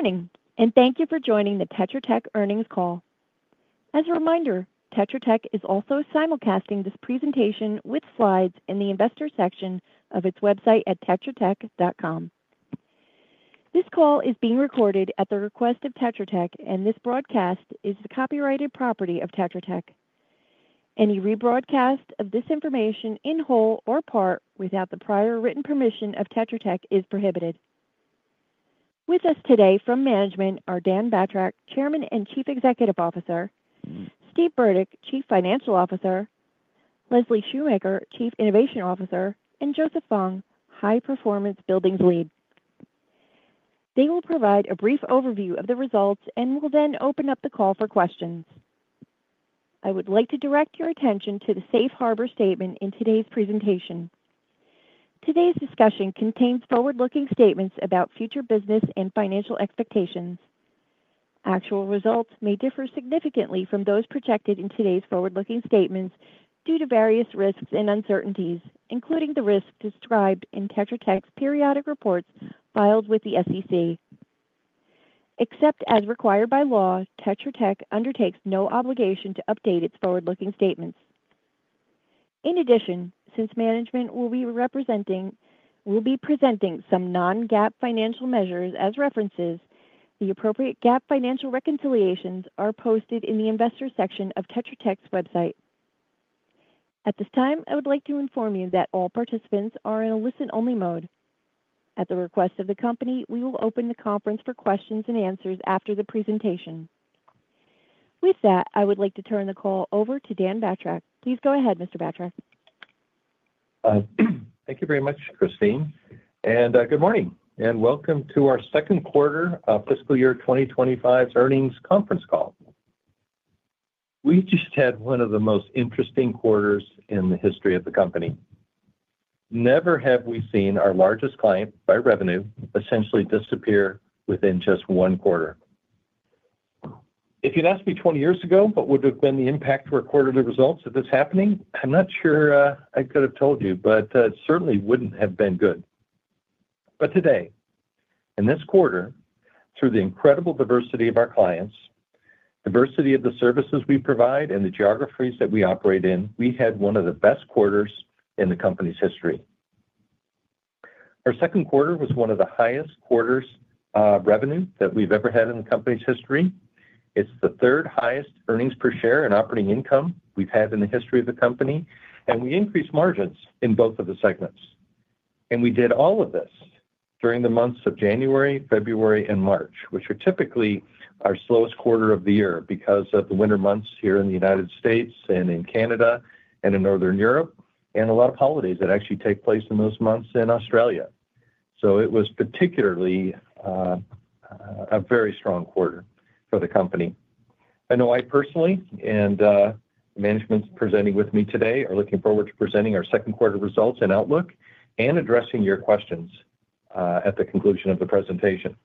Good morning, and thank you for joining the Tetra Tech earnings call. As a reminder, Tetra Tech is also simulcasting this presentation with slides in the investor section of its website at tetratech.com. This call is being recorded at the request of Tetra Tech, and this broadcast is the copyrighted property of Tetra Tech. Any rebroadcast of this information in whole or part without the prior written permission of Tetra Tech is prohibited. With us today from management are Dan Batrack, Chairman and Chief Executive Officer; Steve Burdick, Chief Financial Officer; Leslie Shoemaker, Chief Innovation Officer; and Joseph Fong, High Performance Buildings Lead. They will provide a brief overview of the results and will then open up the call for questions. I would like to direct your attention to the safe harbor statement in today's presentation. Today's discussion contains forward-looking statements about future business and financial expectations. Actual results may differ significantly from those projected in today's forward-looking statements due to various risks and uncertainties, including the risks described in Tetra Tech's periodic reports filed with the SEC. Except as required by law, Tetra Tech undertakes no obligation to update its forward-looking statements. In addition, since management will be presenting some non-GAAP financial measures as references, the appropriate GAAP financial reconciliations are posted in the investor section of Tetra Tech's website. At this time, I would like to inform you that all participants are in a listen-only mode. At the request of the company, we will open the conference for questions and answers after the presentation. With that, I would like to turn the call over to Dan Batrack. Please go ahead, Mr. Batrack. Thank you very much, Christine. Good morning, and welcome to our second quarter of fiscal year 2025's earnings conference call. We just had one of the most interesting quarters in the history of the company. Never have we seen our largest client by revenue essentially disappear within just one quarter. If you'd asked me 20 years ago what would have been the impact of recorded results of this happening, I'm not sure I could have told you, but it certainly wouldn't have been good. Today, in this quarter, through the incredible diversity of our clients, diversity of the services we provide, and the geographies that we operate in, we had one of the best quarters in the company's history. Our second quarter was one of the highest quarters of revenue that we've ever had in the company's history. It's the third highest earnings per share and operating income we've had in the history of the company, and we increased margins in both of the segments. We did all of this during the months of January, February, and March, which are typically our slowest quarter of the year because of the winter months here in the United States, and in Canada, and in Northern Europe, and a lot of holidays that actually take place in those months in Australia. It was particularly a very strong quarter for the company. I know I personally and the management presenting with me today are looking forward to presenting our second quarter results and outlook and addressing your questions at the conclusion of the presentation.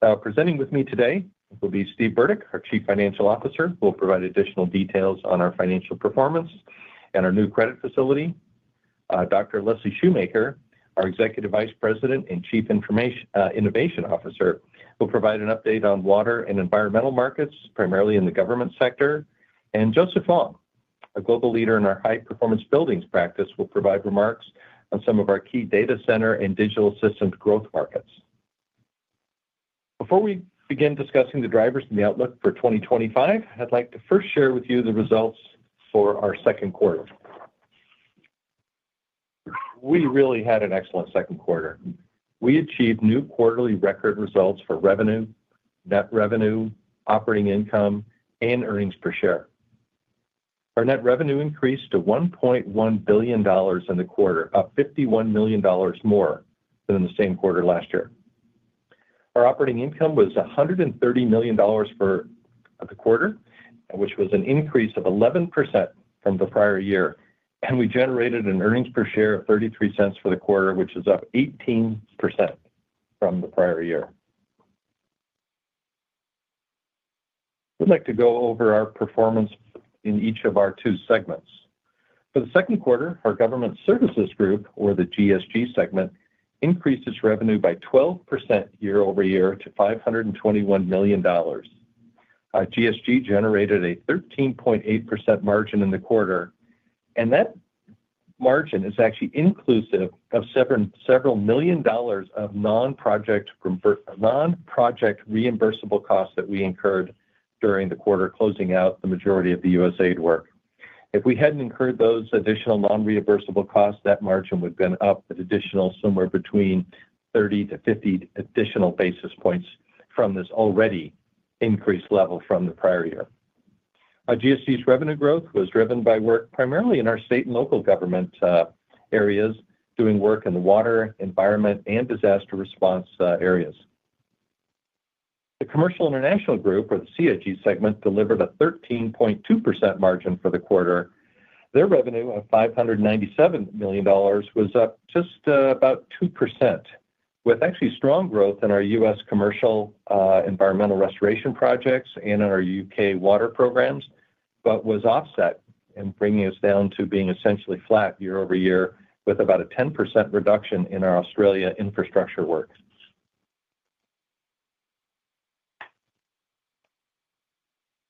Now, presenting with me today will be Steve Burdick, our Chief Financial Officer, who will provide additional details on our financial performance and our new credit facility. Dr. Leslie Shoemaker, our Executive Vice President and Chief Innovation Officer, will provide an update on water and environmental markets, primarily in the government sector. Joseph Fong, a global leader in our high-performance buildings practice, will provide remarks on some of our key data center and digital systems growth markets. Before we begin discussing the drivers and the outlook for 2025, I'd like to first share with you the results for our second quarter. We really had an excellent second quarter. We achieved new quarterly record results for revenue, net revenue, operating income, and earnings per share. Our net revenue increased to $1.1 billion in the quarter, up $51 million more than in the same quarter last year. Our operating income was $130 million for the quarter, which was an increase of 11% from the prior year. We generated an earnings per share of $0.33 for the quarter, which is up 18% from the prior year. I'd like to go over our performance in each of our two segments. For the second quarter, our Government Services Group, or the GSG segment, increased its revenue by 12% year over year to $521 million. GSG generated a 13.8% margin in the quarter. That margin is actually inclusive of several million dollars of non-project reimbursable costs that we incurred during the quarter closing out the majority of the USAID work. If we had not incurred those additional non-reimbursable costs, that margin would have been up an additional somewhere between 30 to 50 additional basis points from this already increased level from the prior year. GSG's revenue growth was driven by work primarily in our state and local government areas, doing work in the water, environment, and disaster response areas. The Commercial International Group, or the CIG segment, delivered a 13.2% margin for the quarter. Their revenue of $597 million was up just about 2%, with actually strong growth in our U.S. commercial environmental restoration projects and in our U.K. water programs, but was offset in bringing us down to being essentially flat year over year with about a 10% reduction in our Australia infrastructure work.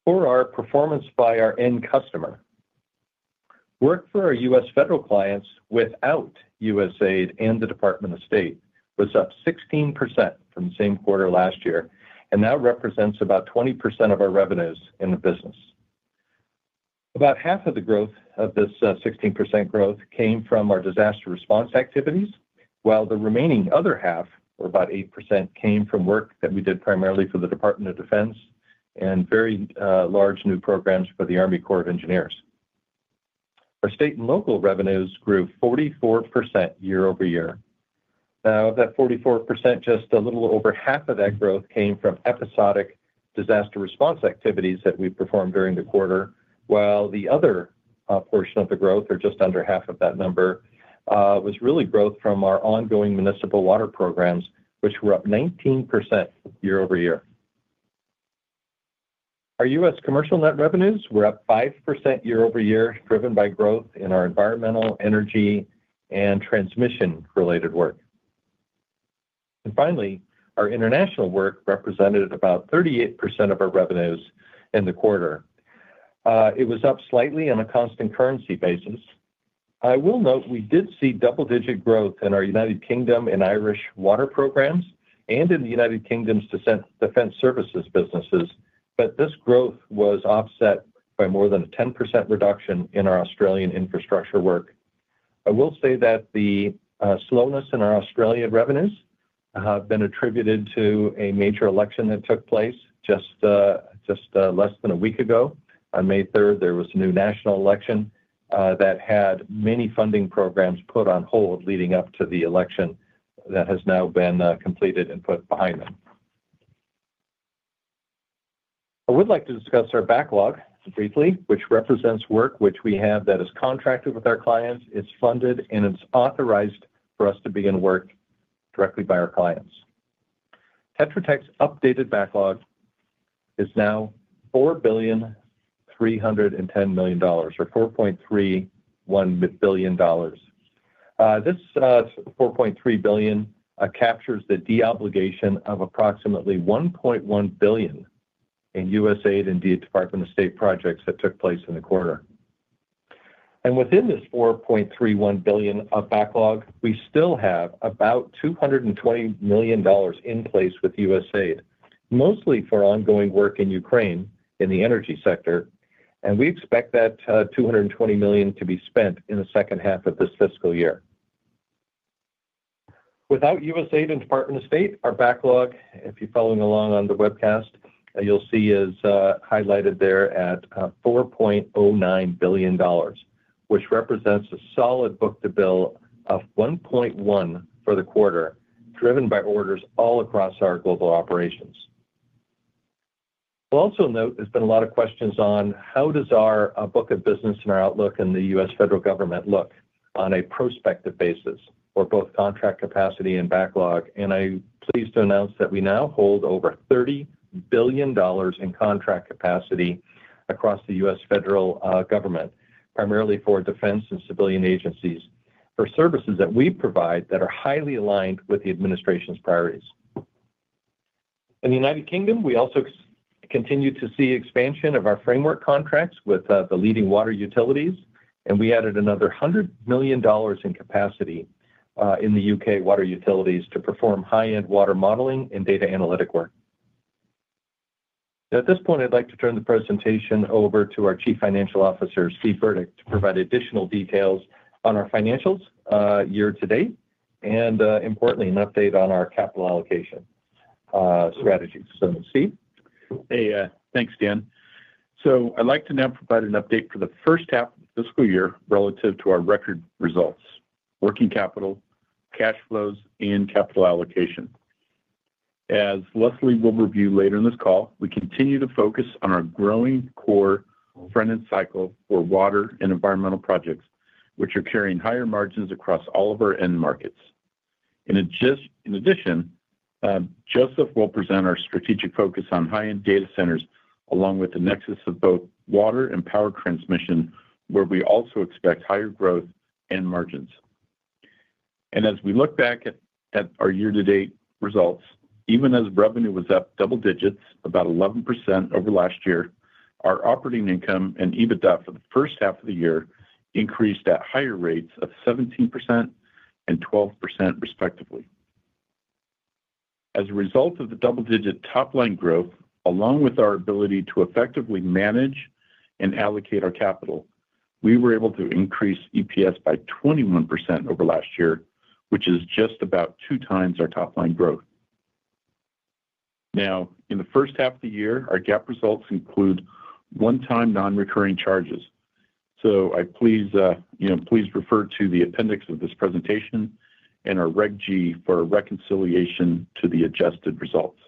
For our performance by our end customer, work for our U.S. federal clients without USAID and the Department of State was up 16% from the same quarter last year and now represents about 20% of our revenues in the business. About half of the growth of this 16% growth came from our disaster response activities, while the remaining other half, or about 8%, came from work that we did primarily for the Department of Defense and very large new programs for the US Army Corps of Engineers. Our state and local revenues grew 44% year over year. Now, of that 44%, just a little over half of that growth came from episodic disaster response activities that we performed during the quarter, while the other portion of the growth, or just under half of that number, was really growth from our ongoing municipal water programs, which were up 19% year over year. Our US commercial net revenues were up 5% year over year, driven by growth in our environmental, energy, and transmission-related work. Finally, our international work represented about 38% of our revenues in the quarter. It was up slightly on a constant currency basis. I will note we did see double-digit growth in our United Kingdom and Irish water programs, and in the United Kingdom's defense services businesses, but this growth was offset by more than a 10% reduction in our Australian infrastructure work. I will say that the slowness in our Australia revenues has been attributed to a major election that took place just less than a week ago. On May 3rd, there was a new national election that had many funding programs put on hold leading up to the election that has now been completed and put behind them. I would like to discuss our backlog briefly, which represents work which we have that is contracted with our clients, is funded, and it's authorized for us to begin work directly by our clients. Tetra Tech's updated backlog is now $4,310 million, or $4.31 billion. This $4.3 billion captures the deobligation of approximately $1.1 billion in USAID and the Department of State projects that took place in the quarter. Within this $4.31 billion of backlog, we still have about $220 million in place with USAID, mostly for ongoing work in Ukraine in the energy sector. We expect that $220 million to be spent in the second half of this fiscal year. Without USAID and Department of State, our backlog, if you're following along on the webcast, you'll see is highlighted there at $4.09 billion, which represents a solid book to bill of $1.1 for the quarter, driven by orders all across our global operations. I'll also note there's been a lot of questions on how does our book of business and our outlook in the U.S. federal government look on a prospective basis, or both contract capacity and backlog. I'm pleased to announce that we now hold over $30 billion in contract capacity across the U.S. federal government, primarily for defense and civilian agencies, for services that we provide that are highly aligned with the administration's priorities. In the United Kingdom, we also continue to see expansion of our framework contracts with the leading water utilities, and we added another $100 million in capacity in the U.K. water utilities to perform high-end water modeling and data analytic work. At this point, I'd like to turn the presentation over to our Chief Financial Officer, Steve Burdick, to provide additional details on our financials year to date, and importantly, an update on our capital allocation strategy. Steve. Hey, thanks, Dan. I'd like to now provide an update for the first half of the fiscal year relative to our record results: working capital, cash flows, and capital allocation. As Leslie will review later in this call, we continue to focus on our growing core front-end cycle for water and environmental projects, which are carrying higher margins across all of our end markets. In addition, Joseph will present our strategic focus on high-end data centers, along with the nexus of both water and power transmission, where we also expect higher growth and margins. As we look back at our year-to-date results, even as revenue was up double digits, about 11% over last year, our operating income and EBITDA for the first half of the year increased at higher rates of 17% and 12%, respectively. As a result of the double-digit top-line growth, along with our ability to effectively manage and allocate our capital, we were able to increase EPS by 21% over last year, which is just about two times our top-line growth. Now, in the first half of the year, our GAAP results include one-time non-recurring charges. So I please refer to the appendix of this presentation and our Reg G for reconciliation to the adjusted results.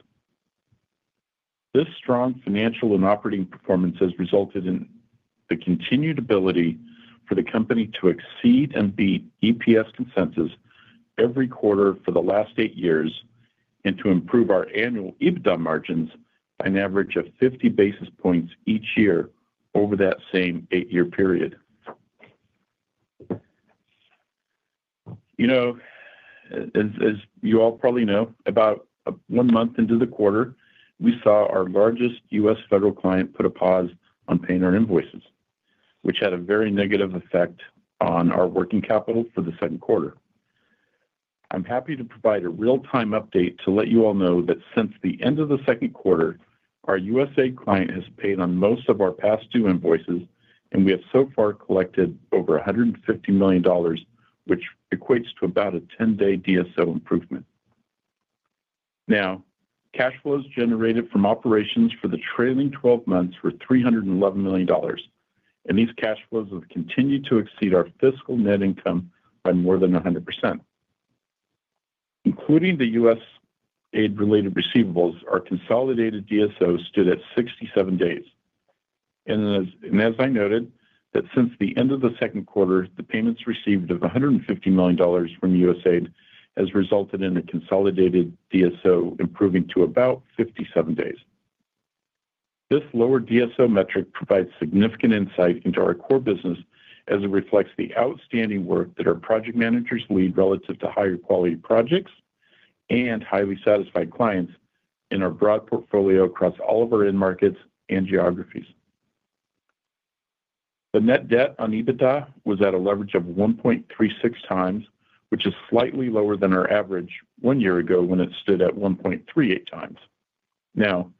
This strong financial and operating performance has resulted in the continued ability for the company to exceed and beat EPS consensus every quarter for the last eight years and to improve our annual EBITDA margins by an average of 50 basis points each year over that same eight-year period. You know, as you all probably know, about one month into the quarter, we saw our largest U.S. federal client put a pause on paying our invoices, which had a very negative effect on our working capital for the second quarter. I'm happy to provide a real-time update to let you all know that since the end of the second quarter, our USAID client has paid on most of our past due invoices, and we have so far collected over $150 million, which equates to about a 10-day DSO improvement. Now, cash flows generated from operations for the trailing 12 months were $311 million, and these cash flows have continued to exceed our fiscal net income by more than 100%. Including the USAID-related receivables, our consolidated DSO stood at 67 days. As I noted, since the end of the second quarter, the payments received of $150 million from USAID has resulted in a consolidated DSO improving to about 57 days. This lower DSO metric provides significant insight into our core business as it reflects the outstanding work that our project managers lead relative to higher quality projects and highly satisfied clients in our broad portfolio across all of our end markets and geographies. The net debt on EBITDA was at a leverage of 1.36 times, which is slightly lower than our average one year ago when it stood at 1.38 times. Now,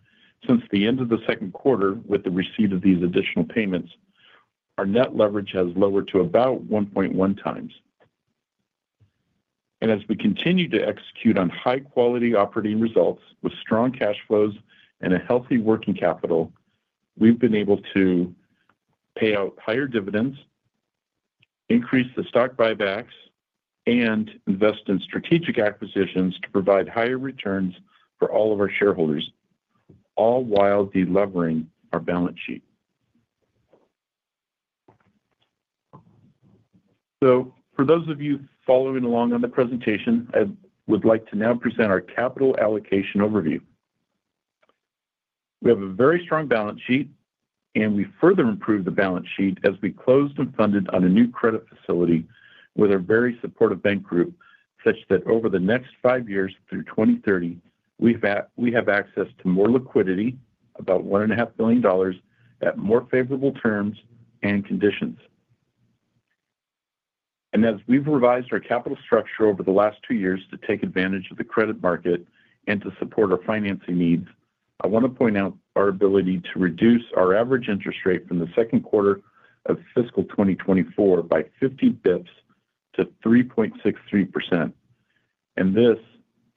since the end of the second quarter, with the receipt of these additional payments, our net leverage has lowered to about 1.1 times. As we continue to execute on high-quality operating results with strong cash flows and a healthy working capital, we've been able to pay out higher dividends, increase the stock buybacks, and invest in strategic acquisitions to provide higher returns for all of our shareholders, all while delivering our balance sheet. For those of you following along on the presentation, I would like to now present our capital allocation overview. We have a very strong balance sheet, and we further improved the balance sheet as we closed and funded on a new credit facility with our very supportive bank group, such that over the next five years through 2030, we have access to more liquidity, about $1.5 billion, at more favorable terms and conditions. As we have revised our capital structure over the last two years to take advantage of the credit market and to support our financing needs, I want to point out our ability to reduce our average interest rate from the second quarter of fiscal 2024 by 50 basis points to 3.63%, and this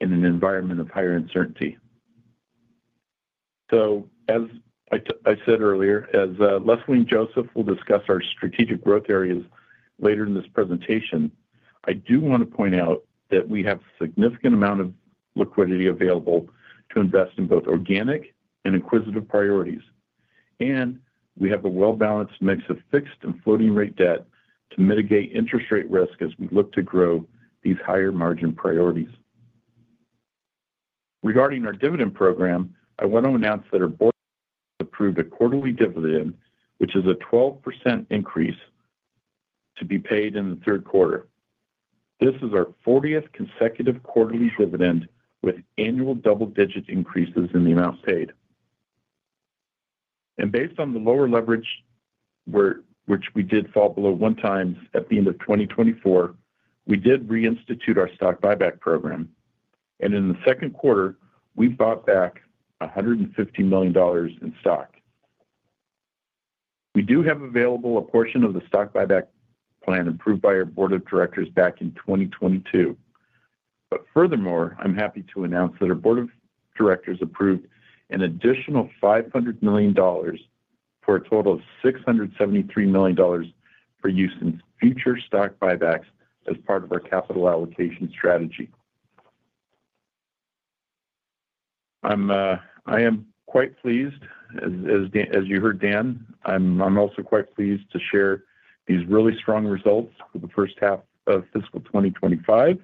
in an environment of higher uncertainty. As I said earlier, as Leslie and Joseph will discuss our strategic growth areas later in this presentation, I do want to point out that we have a significant amount of liquidity available to invest in both organic and inquisitive priorities. We have a well-balanced mix of fixed and floating-rate debt to mitigate interest rate risk as we look to grow these higher margin priorities. Regarding our dividend program, I want to announce that our board approved a quarterly dividend, which is a 12% increase to be paid in the third quarter. This is our 40th consecutive quarterly dividend with annual double-digit increases in the amount paid. Based on the lower leverage, which we did fall below one time at the end of 2024, we did reinstitute our stock buyback program. In the second quarter, we bought back $150 million in stock. We do have available a portion of the stock buyback plan approved by our board of directors back in 2022. Furthermore, I'm happy to announce that our board of directors approved an additional $500 million for a total of $673 million for use in future stock buybacks as part of our capital allocation strategy. I am quite pleased, as you heard, Dan. I'm also quite pleased to share these really strong results for the first half of fiscal 2025.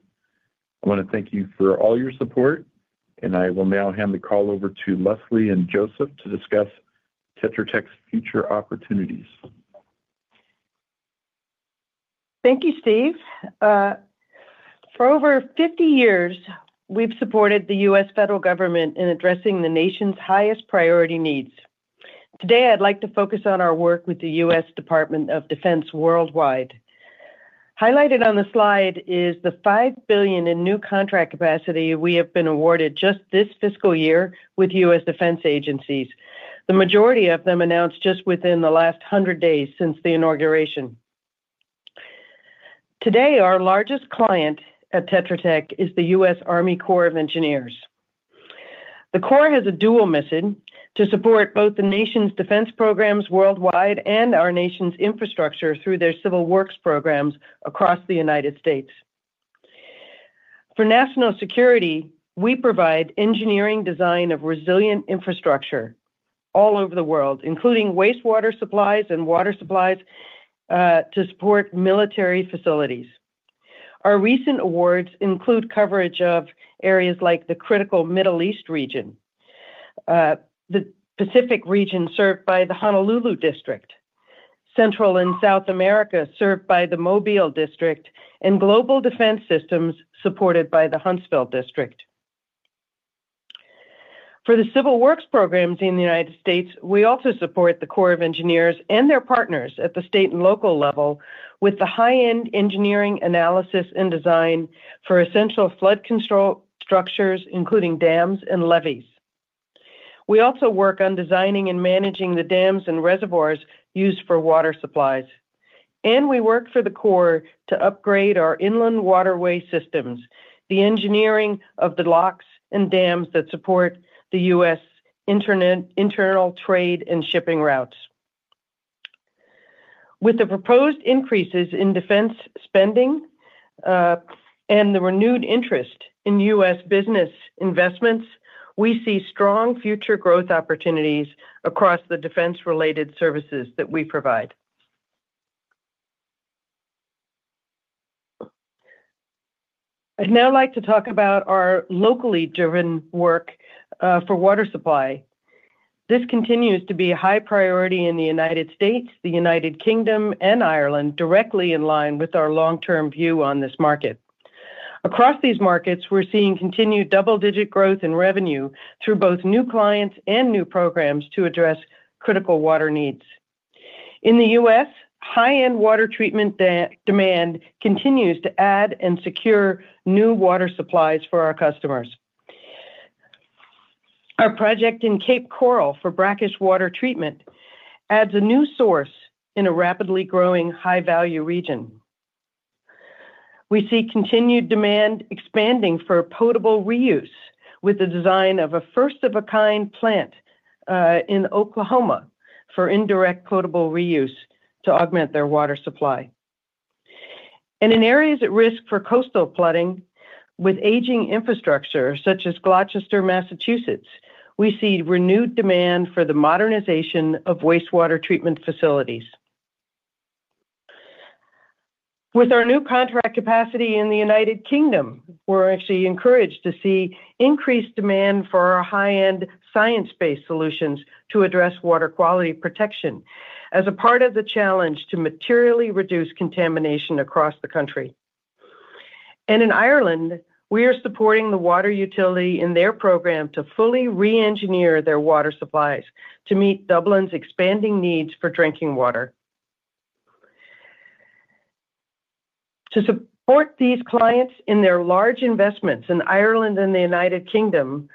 I want to thank you for all your support, and I will now hand the call over to Leslie and Joseph to discuss Tetra Tech's future opportunities. Thank you, Steve. For over 50 years, we've supported the U.S. federal government in addressing the nation's highest priority needs. Today, I'd like to focus on our work with the U.S. Department of Defense worldwide. Highlighted on the slide is the $5 billion in new contract capacity we have been awarded just this fiscal year with U.S. defense agencies. The majority of them announced just within the last 100 days since the inauguration. Today, our largest client at Tetra Tech is the U.S. Army Corps of Engineers. The Corps has a dual mission to support both the nation's defense programs worldwide and our nation's infrastructure through their civil works programs across the United States. For national security, we provide engineering design of resilient infrastructure all over the world, including wastewater supplies and water supplies to support military facilities. Our recent awards include coverage of areas like the critical Middle East region, the Pacific region served by the Honolulu District, Central and South America served by the Mobile District, and global defense systems supported by the Huntsville District. For the civil works programs in the United States, we also support the Corps of Engineers and their partners at the state and local level with the high-end engineering analysis and design for essential flood control structures, including dams and levees. We also work on designing and managing the dams and reservoirs used for water supplies. We work for the Corps to upgrade our inland waterway systems, the engineering of the locks and dams that support the US internal trade and shipping routes. With the proposed increases in defense spending and the renewed interest in U.S. business investments, we see strong future growth opportunities across the defense-related services that we provide. I'd now like to talk about our locally driven work for water supply. This continues to be a high priority in the United States, the United Kingdom, and Ireland, directly in line with our long-term view on this market. Across these markets, we're seeing continued double-digit growth in revenue through both new clients and new programs to address critical water needs. In the U.S., high-end water treatment demand continues to add and secure new water supplies for our customers. Our project in Cape Coral for brackish water treatment adds a new source in a rapidly growing high-value region. We see continued demand expanding for potable reuse with the design of a first-of-a-kind plant in Oklahoma for indirect potable reuse to augment their water supply. In areas at risk for coastal flooding with aging infrastructure, such as Gloucester, Massachusetts, we see renewed demand for the modernization of wastewater treatment facilities. With our new contract capacity in the United Kingdom, we're actually encouraged to see increased demand for our high-end science-based solutions to address water quality protection as a part of the challenge to materially reduce contamination across the country. In Ireland, we are supporting the water utility in their program to fully re-engineer their water supplies to meet Dublin's expanding needs for drinking water. To support these clients in their large investments in Ireland and the United Kingdom,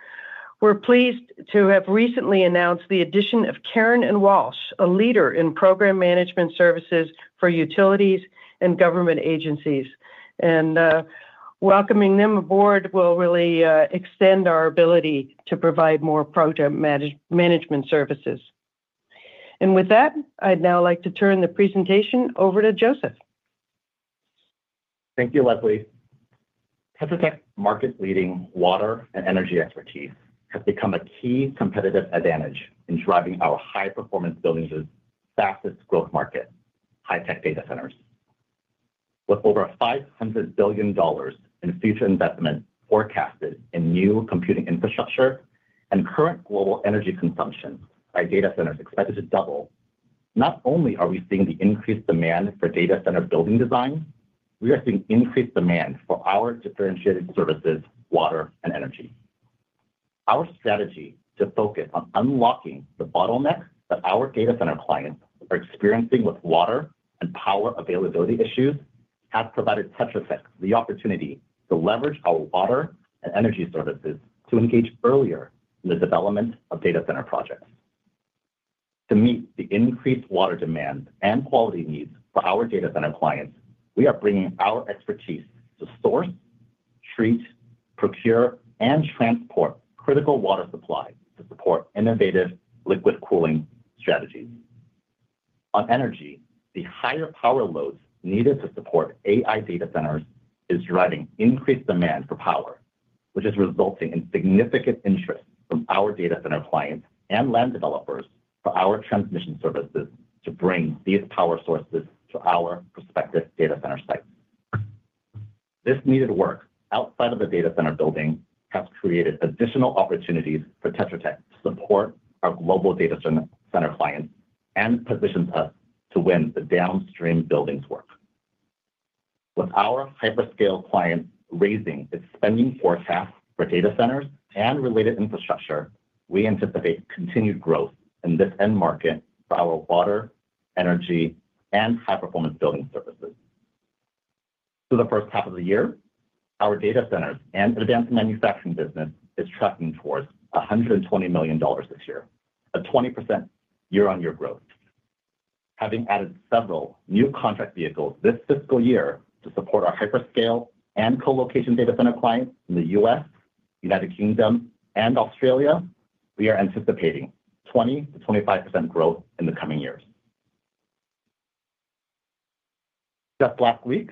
we're pleased to have recently announced the addition of Karen and Walsh, a leader in program management services for utilities and government agencies. Welcoming them aboard will really extend our ability to provide more program management services. With that, I'd now like to turn the presentation over to Joseph. Thank you, Leslie. Tetra Tech's market-leading water and energy expertise has become a key competitive advantage in driving our high-performance buildings' fastest-growth market, high-tech data centers. With over $500 billion in future investment forecasted in new computing infrastructure and current global energy consumption by data centers expected to double, not only are we seeing the increased demand for data center building designs, we are seeing increased demand for our differentiated services, water, and energy. Our strategy to focus on unlocking the bottlenecks that our data center clients are experiencing with water and power availability issues has provided Tetra Tech the opportunity to leverage our water and energy services to engage earlier in the development of data center projects. To meet the increased water demand and quality needs for our data center clients, we are bringing our expertise to source, treat, procure, and transport critical water supply to support innovative liquid cooling strategies. On energy, the higher power loads needed to support AI data centers is driving increased demand for power, which is resulting in significant interest from our data center clients and land developers for our transmission services to bring these power sources to our prospective data center sites. This needed work outside of the data center building has created additional opportunities for Tetra Tech to support our global data center clients and positions us to win the downstream building's work. With our hyperscale clients raising expending forecasts for data centers and related infrastructure, we anticipate continued growth in this end market for our water, energy, and high-performance building services. For the first half of the year, our data centers and advanced manufacturing business is tracking towards $120 million this year, a 20% year-on-year growth. Having added several new contract vehicles this fiscal year to support our hyperscale and colocation data center clients in the U.S., United Kingdom, and Australia, we are anticipating 20-25% growth in the coming years. Just last week,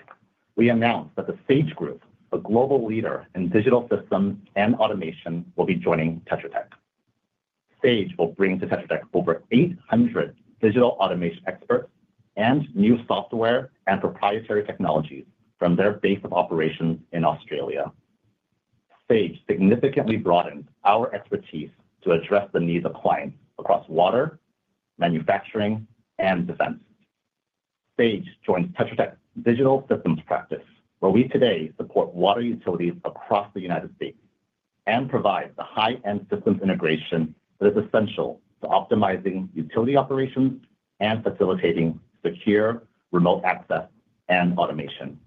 we announced that the Sage Group, a global leader in digital systems and automation, will be joining Tetra Tech. Sage will bring to Tetra Tech over 800 digital automation experts and new software and proprietary technologies from their base of operations in Australia. Sage significantly broadens our expertise to address the needs of clients across water, manufacturing, and defense. Sage joins Tetra Tech's digital systems practice, where we today support water utilities across the United States and provide the high-end systems integration that is essential to optimizing utility operations and facilitating secure remote access and automation.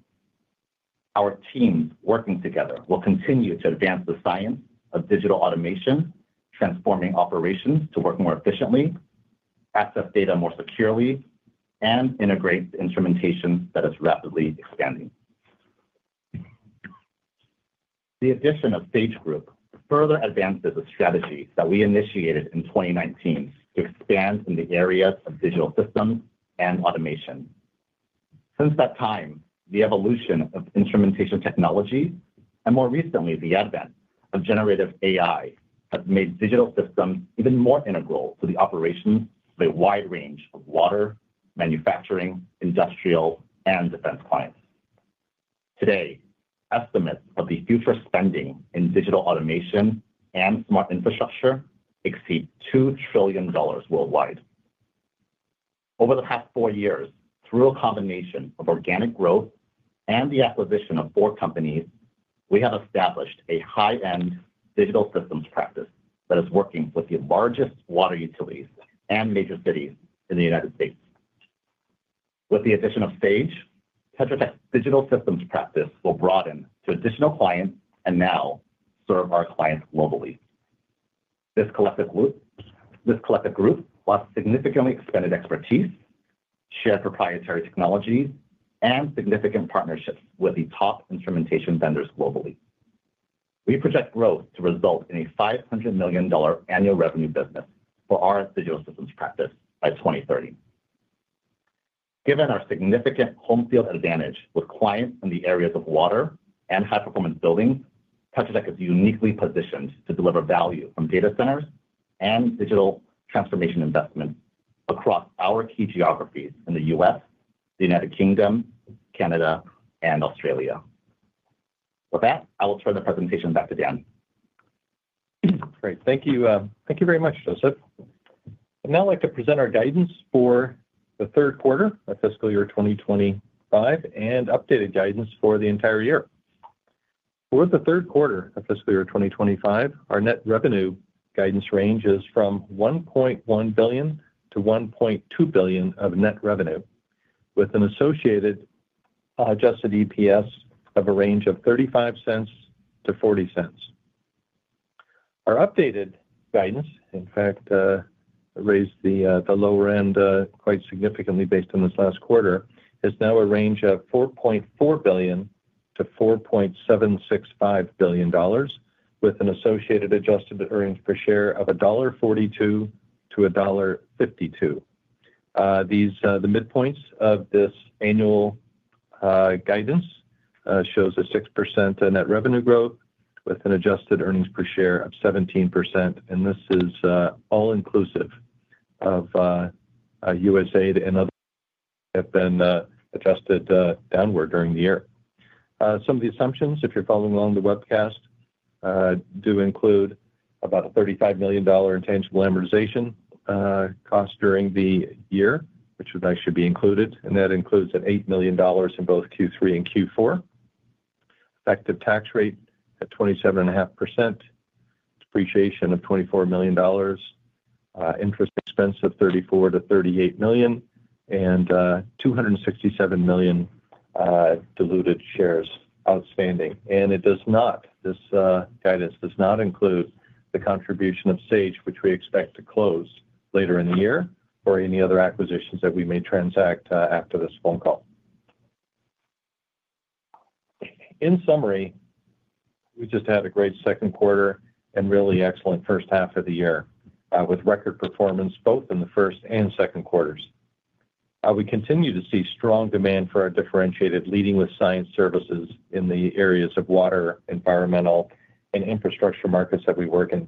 Our teams working together will continue to advance the science of digital automation, transforming operations to work more efficiently, access data more securely, and integrate the instrumentation that is rapidly expanding. The addition of Sage Group further advances a strategy that we initiated in 2019 to expand in the areas of digital systems and automation. Since that time, the evolution of instrumentation technologies and, more recently, the advent of generative AI has made digital systems even more integral to the operations of a wide range of water, manufacturing, industrial, and defense clients. Today, estimates of the future spending in digital automation and smart infrastructure exceed $2 trillion worldwide. Over the past four years, through a combination of organic growth and the acquisition of four companies, we have established a high-end digital systems practice that is working with the largest water utilities and major cities in the United States. With the addition of Sage, Tetra Tech's digital systems practice will broaden to additional clients and now serve our clients globally. This collective group will have significantly expanded expertise, shared proprietary technologies, and significant partnerships with the top instrumentation vendors globally. We project growth to result in a $500 million annual revenue business for our digital systems practice by 2030. Given our significant home field advantage with clients in the areas of water and high-performance buildings, Tetra Tech is uniquely positioned to deliver value from data centers and digital transformation investments across our key geographies in the U.S., the United Kingdom, Canada, and Australia. With that, I will turn the presentation back to Dan. Great. Thank you very much, Joseph. I'd now like to present our guidance for the third quarter of fiscal year 2025 and updated guidance for the entire year. For the third quarter of fiscal year 2025, our net revenue guidance range is from $1.1 billion-$1.2 billion of net revenue, with an associated adjusted EPS of a range of $0.35-$0.40. Our updated guidance, in fact, raised the lower end quite significantly based on this last quarter, is now a range of $4.4 billion-$4.765 billion, with an associated adjusted earnings per share of $1.42-$1.52. The midpoints of this annual guidance show a 6% net revenue growth with an adjusted earnings per share of 17%. This is all inclusive of USAID and others that have been adjusted downward during the year. Some of the assumptions, if you're following along the webcast, do include about a $35 million intangible amortization cost during the year, which would actually be included. That includes $8 million in both Q3 and Q4, effective tax rate at 27.5%, depreciation of $24 million, interest expense of $34-$38 million, and 267 million diluted shares outstanding. This guidance does not include the contribution of Sage, which we expect to close later in the year or any other acquisitions that we may transact after this phone call. In summary, we just had a great second quarter and really excellent first half of the year with record performance both in the first and second quarters. We continue to see strong demand for our differentiated leading with science services in the areas of water, environmental, and infrastructure markets that we work in.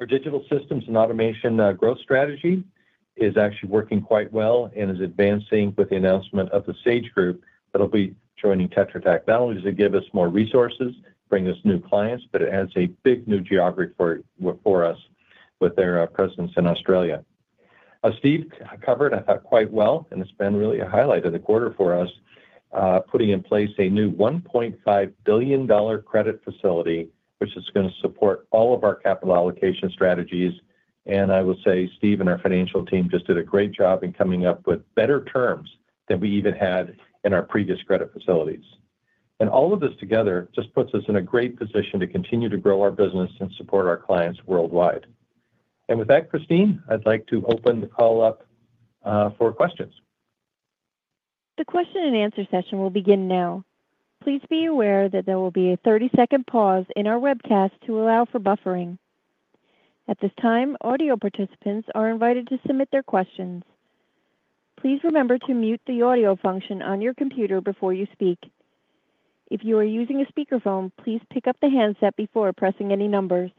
Our digital systems and automation growth strategy is actually working quite well and is advancing with the announcement of the Sage Group that will be joining Tetra Tech. Not only does it give us more resources, bring us new clients, but it adds a big new geography for us with their presence in Australia. Steve covered, I thought, quite well, and it has been really a highlight of the quarter for us, putting in place a new $1.5 billion credit facility, which is going to support all of our capital allocation strategies. I will say, Steve and our financial team just did a great job in coming up with better terms than we even had in our previous credit facilities. All of this together just puts us in a great position to continue to grow our business and support our clients worldwide. Christine, I'd like to open the call up for questions. The question and answer session will begin now. Please be aware that there will be a 30-second pause in our webcast to allow for buffering. At this time, audio participants are invited to submit their questions. Please remember to mute the audio function on your computer before you speak. If you are using a speakerphone, please pick up the handset before pressing any numbers.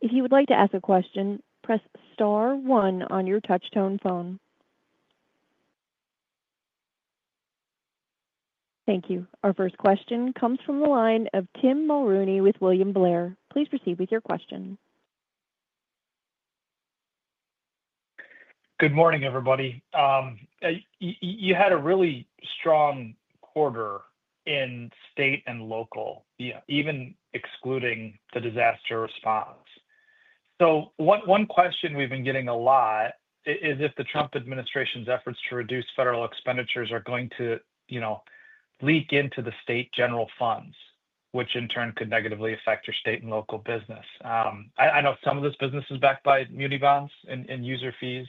If you would like to ask a question, press star one on your Touchtone phone. Thank you. Our first question comes from the line of Tim Mulrooney with William Blair. Please proceed with your question. Good morning, everybody. You had a really strong quarter in state and local, even excluding the disaster response. One question we've been getting a lot is if the Trump administration's efforts to reduce federal expenditures are going to leak into the state general funds, which in turn could negatively affect your state and local business. I know some of this business is backed by munibonds and user fees.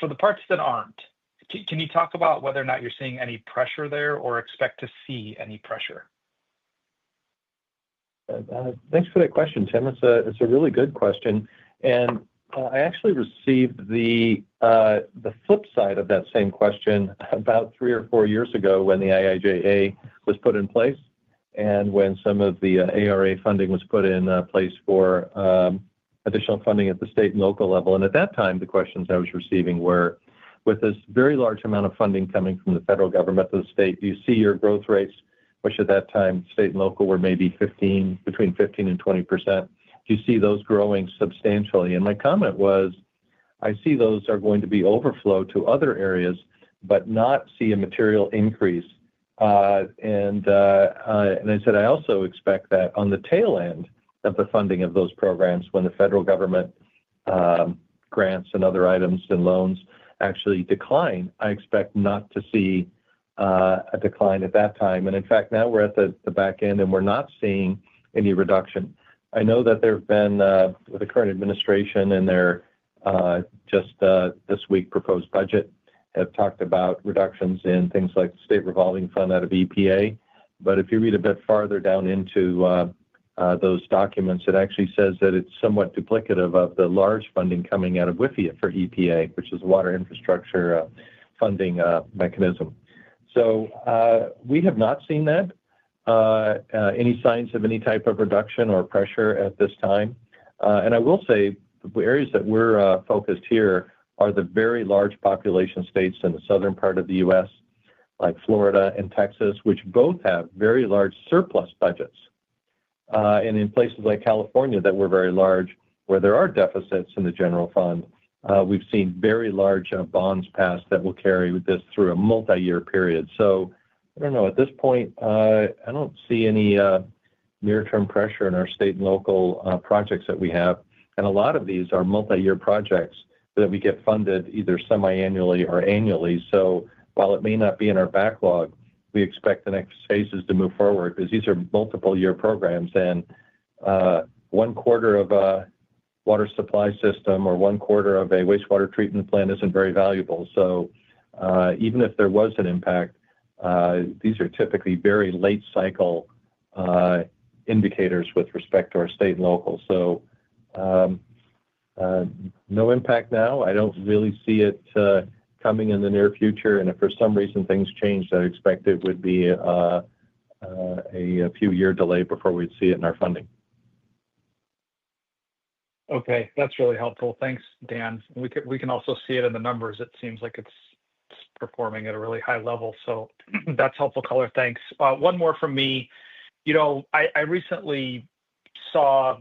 For the parts that aren't, can you talk about whether or not you're seeing any pressure there or expect to see any pressure? Thanks for that question, Tim. It's a really good question. I actually received the flip side of that same question about three or four years ago when the IIJA was put in place and when some of the ARPA funding was put in place for additional funding at the state and local level. At that time, the questions I was receiving were, with this very large amount of funding coming from the federal government to the state, do you see your growth rates, which at that time state and local were maybe between 15% and 20%? Do you see those growing substantially? My comment was, I see those are going to be overflow to other areas, but not see a material increase. I also expect that on the tail end of the funding of those programs, when the federal government grants and other items and loans actually decline, I expect not to see a decline at that time. In fact, now we're at the back end and we're not seeing any reduction. I know that there have been, with the current administration and their just this week proposed budget, have talked about reductions in things like the state revolving fund out of EPA. If you read a bit farther down into those documents, it actually says that it's somewhat duplicative of the large funding coming out of WIFIA for EPA, which is the water infrastructure funding mechanism. We have not seen that, any signs of any type of reduction or pressure at this time. I will say the areas that we're focused here are the very large population states in the southern part of the U.S., like Florida and Texas, which both have very large surplus budgets. In places like California that were very large, where there are deficits in the general fund, we've seen very large bonds pass that will carry this through a multi-year period. I don't know. At this point, I don't see any near-term pressure in our state and local projects that we have. A lot of these are multi-year projects that we get funded either semi-annually or annually. While it may not be in our backlog, we expect the next phases to move forward because these are multiple-year programs. One quarter of a water supply system or one quarter of a wastewater treatment plant isn't very valuable. Even if there was an impact, these are typically very late-cycle indicators with respect to our state and local. No impact now. I don't really see it coming in the near future. If for some reason things change, I expect it would be a few-year delay before we'd see it in our funding. Okay. That's really helpful. Thanks, Dan. We can also see it in the numbers. It seems like it's performing at a really high level. That's helpful color. Thanks. One more from me. I recently saw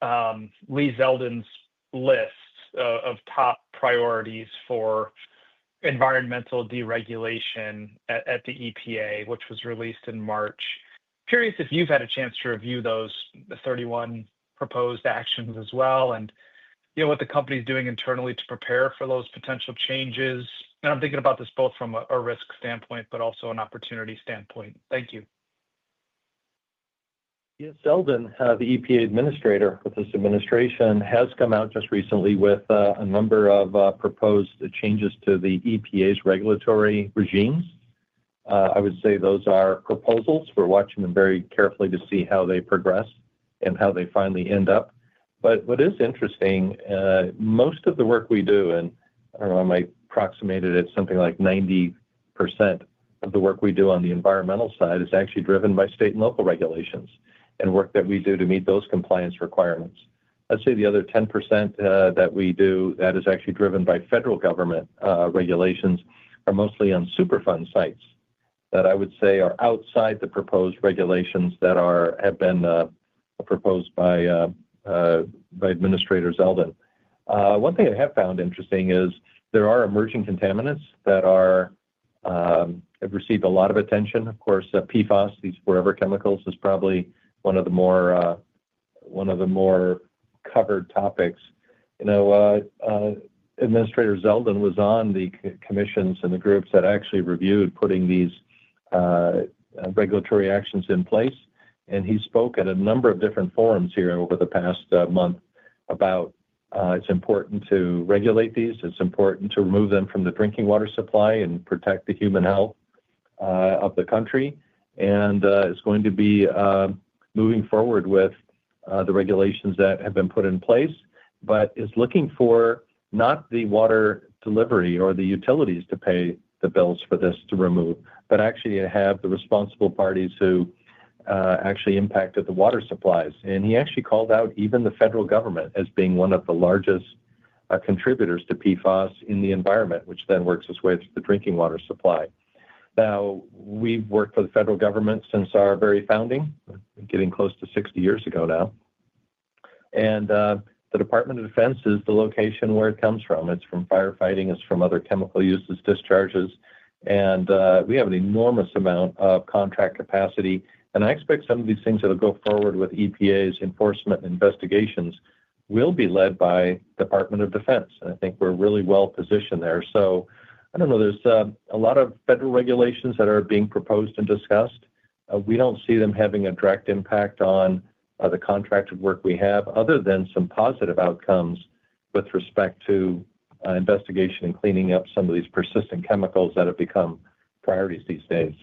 Lee Zeldin's list of top priorities for environmental deregulation at the EPA, which was released in March. Curious if you've had a chance to review those 31 proposed actions as well and what the company's doing internally to prepare for those potential changes. I'm thinking about this both from a risk standpoint, but also an opportunity standpoint. Thank you. Yeah. Zeldin, the EPA administrator with this administration, has come out just recently with a number of proposed changes to the EPA's regulatory regimes. I would say those are proposals. We're watching them very carefully to see how they progress and how they finally end up. What is interesting, most of the work we do, and I don't know why I approximated it, something like 90% of the work we do on the environmental side is actually driven by state and local regulations and work that we do to meet those compliance requirements. I'd say the other 10% that we do that is actually driven by federal government regulations are mostly on superfund sites that I would say are outside the proposed regulations that have been proposed by Administrator Zeldin. One thing I have found interesting is there are emerging contaminants that have received a lot of attention. Of course, PFAS, these forever chemicals, is probably one of the more covered topics. Administrator Zeldin was on the commissions and the groups that actually reviewed putting these regulatory actions in place. He spoke at a number of different forums here over the past month about it's important to regulate these. It's important to remove them from the drinking water supply and protect the human health of the country. It's going to be moving forward with the regulations that have been put in place, but is looking for not the water delivery or the utilities to pay the bills for this to remove, but actually to have the responsible parties who actually impacted the water supplies. He actually called out even the federal government as being one of the largest contributors to PFAS in the environment, which then works its way to the drinking water supply. Now, we've worked for the federal government since our very founding, getting close to 60 years ago now. The Department of Defense is the location where it comes from. It's from firefighting. It's from other chemical uses, discharges. We have an enormous amount of contract capacity. I expect some of these things that will go forward with EPA's enforcement and investigations will be led by the Department of Defense. I think we're really well positioned there. I don't know. There are a lot of federal regulations that are being proposed and discussed. We don't see them having a direct impact on the contracted work we have other than some positive outcomes with respect to investigation and cleaning up some of these persistent chemicals that have become priorities these days.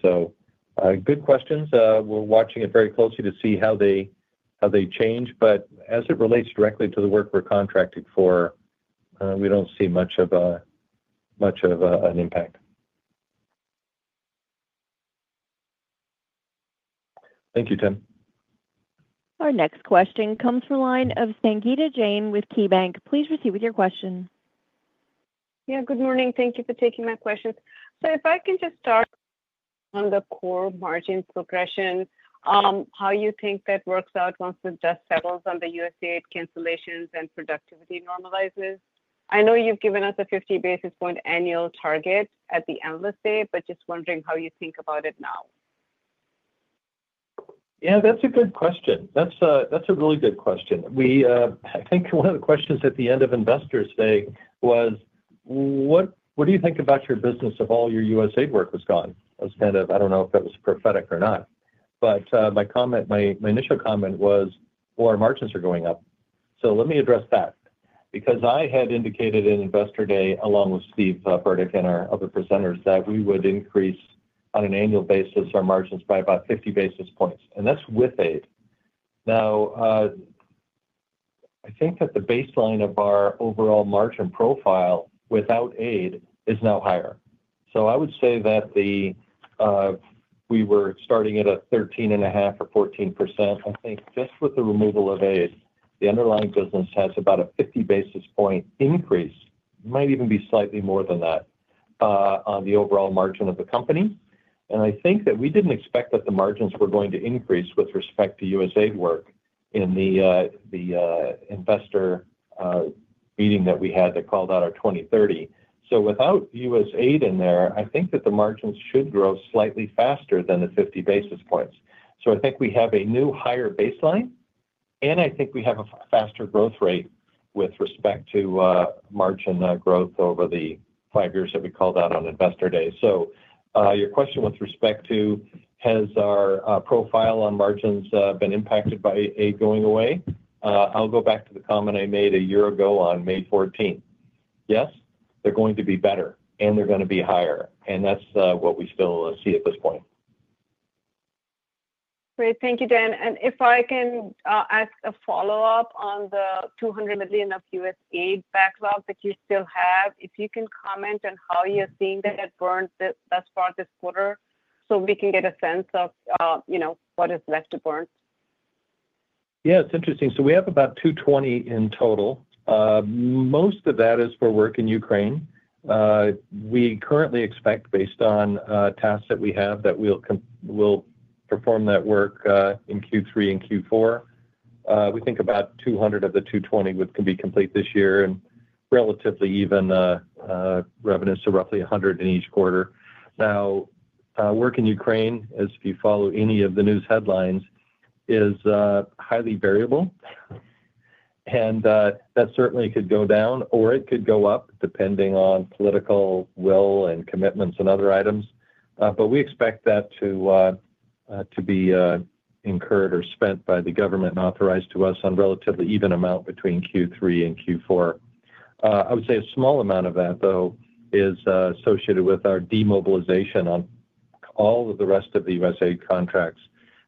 Good questions. We're watching it very closely to see how they change. As it relates directly to the work we're contracted for, we don't see much of an impact. Thank you, Tim. Our next question comes from the line of Sangita Jain with KeyBanc. Please proceed with your question. Yeah. Good morning. Thank you for taking my question. If I can just on the core margin progression, how do you think that works out once it just settles on the USAID cancellations and productivity normalizes? I know you've given us a 50 basis point annual target at the end of the day, but just wondering how you think about it now. Yeah. That's a good question. That's a really good question. I think one of the questions at the end of investors' day was, what do you think about your business if all your USAID work was gone? I don't know if that was prophetic or not. My initial comment was, our margins are going up. Let me address that because I had indicated in investor day, along with Steve Burdick and our other presenters, that we would increase on an annual basis our margins by about 50 basis points. That's with aid. Now, I think that the baseline of our overall margin profile without aid is now higher. I would say that we were starting at a 13.5 or 14%. I think just with the removal of aid, the underlying business has about a 50 basis point increase, might even be slightly more than that, on the overall margin of the company. I think that we did not expect that the margins were going to increase with respect to USAID work in the investor meeting that we had that called out our 2030. Without USAID in there, I think that the margins should grow slightly faster than the 50 basis points. I think we have a new higher baseline, and I think we have a faster growth rate with respect to margin growth over the five years that we called out on investor day. Your question with respect to, has our profile on margins been impacted by aid going away? I'll go back to the comment I made a year ago on May 14th. Yes, they're going to be better, and they're going to be higher. That's what we still see at this point. Great. Thank you, Dan. If I can ask a follow-up on the $200 million of USAID backlog that you still have, if you can comment on how you're seeing that it burns thus far this quarter so we can get a sense of what is left to burn. Yeah. It's interesting. We have about 220 in total. Most of that is for work in Ukraine. We currently expect, based on tasks that we have, that we'll perform that work in Q3 and Q4. We think about 200 of the 220 can be complete this year and relatively even revenues to roughly 100 in each quarter. Now, work in Ukraine, as if you follow any of the news headlines, is highly variable. That certainly could go down or it could go up depending on political will and commitments and other items. We expect that to be incurred or spent by the government and authorized to us on a relatively even amount between Q3 and Q4. I would say a small amount of that, though, is associated with our demobilization on all of the rest of the USAID contracts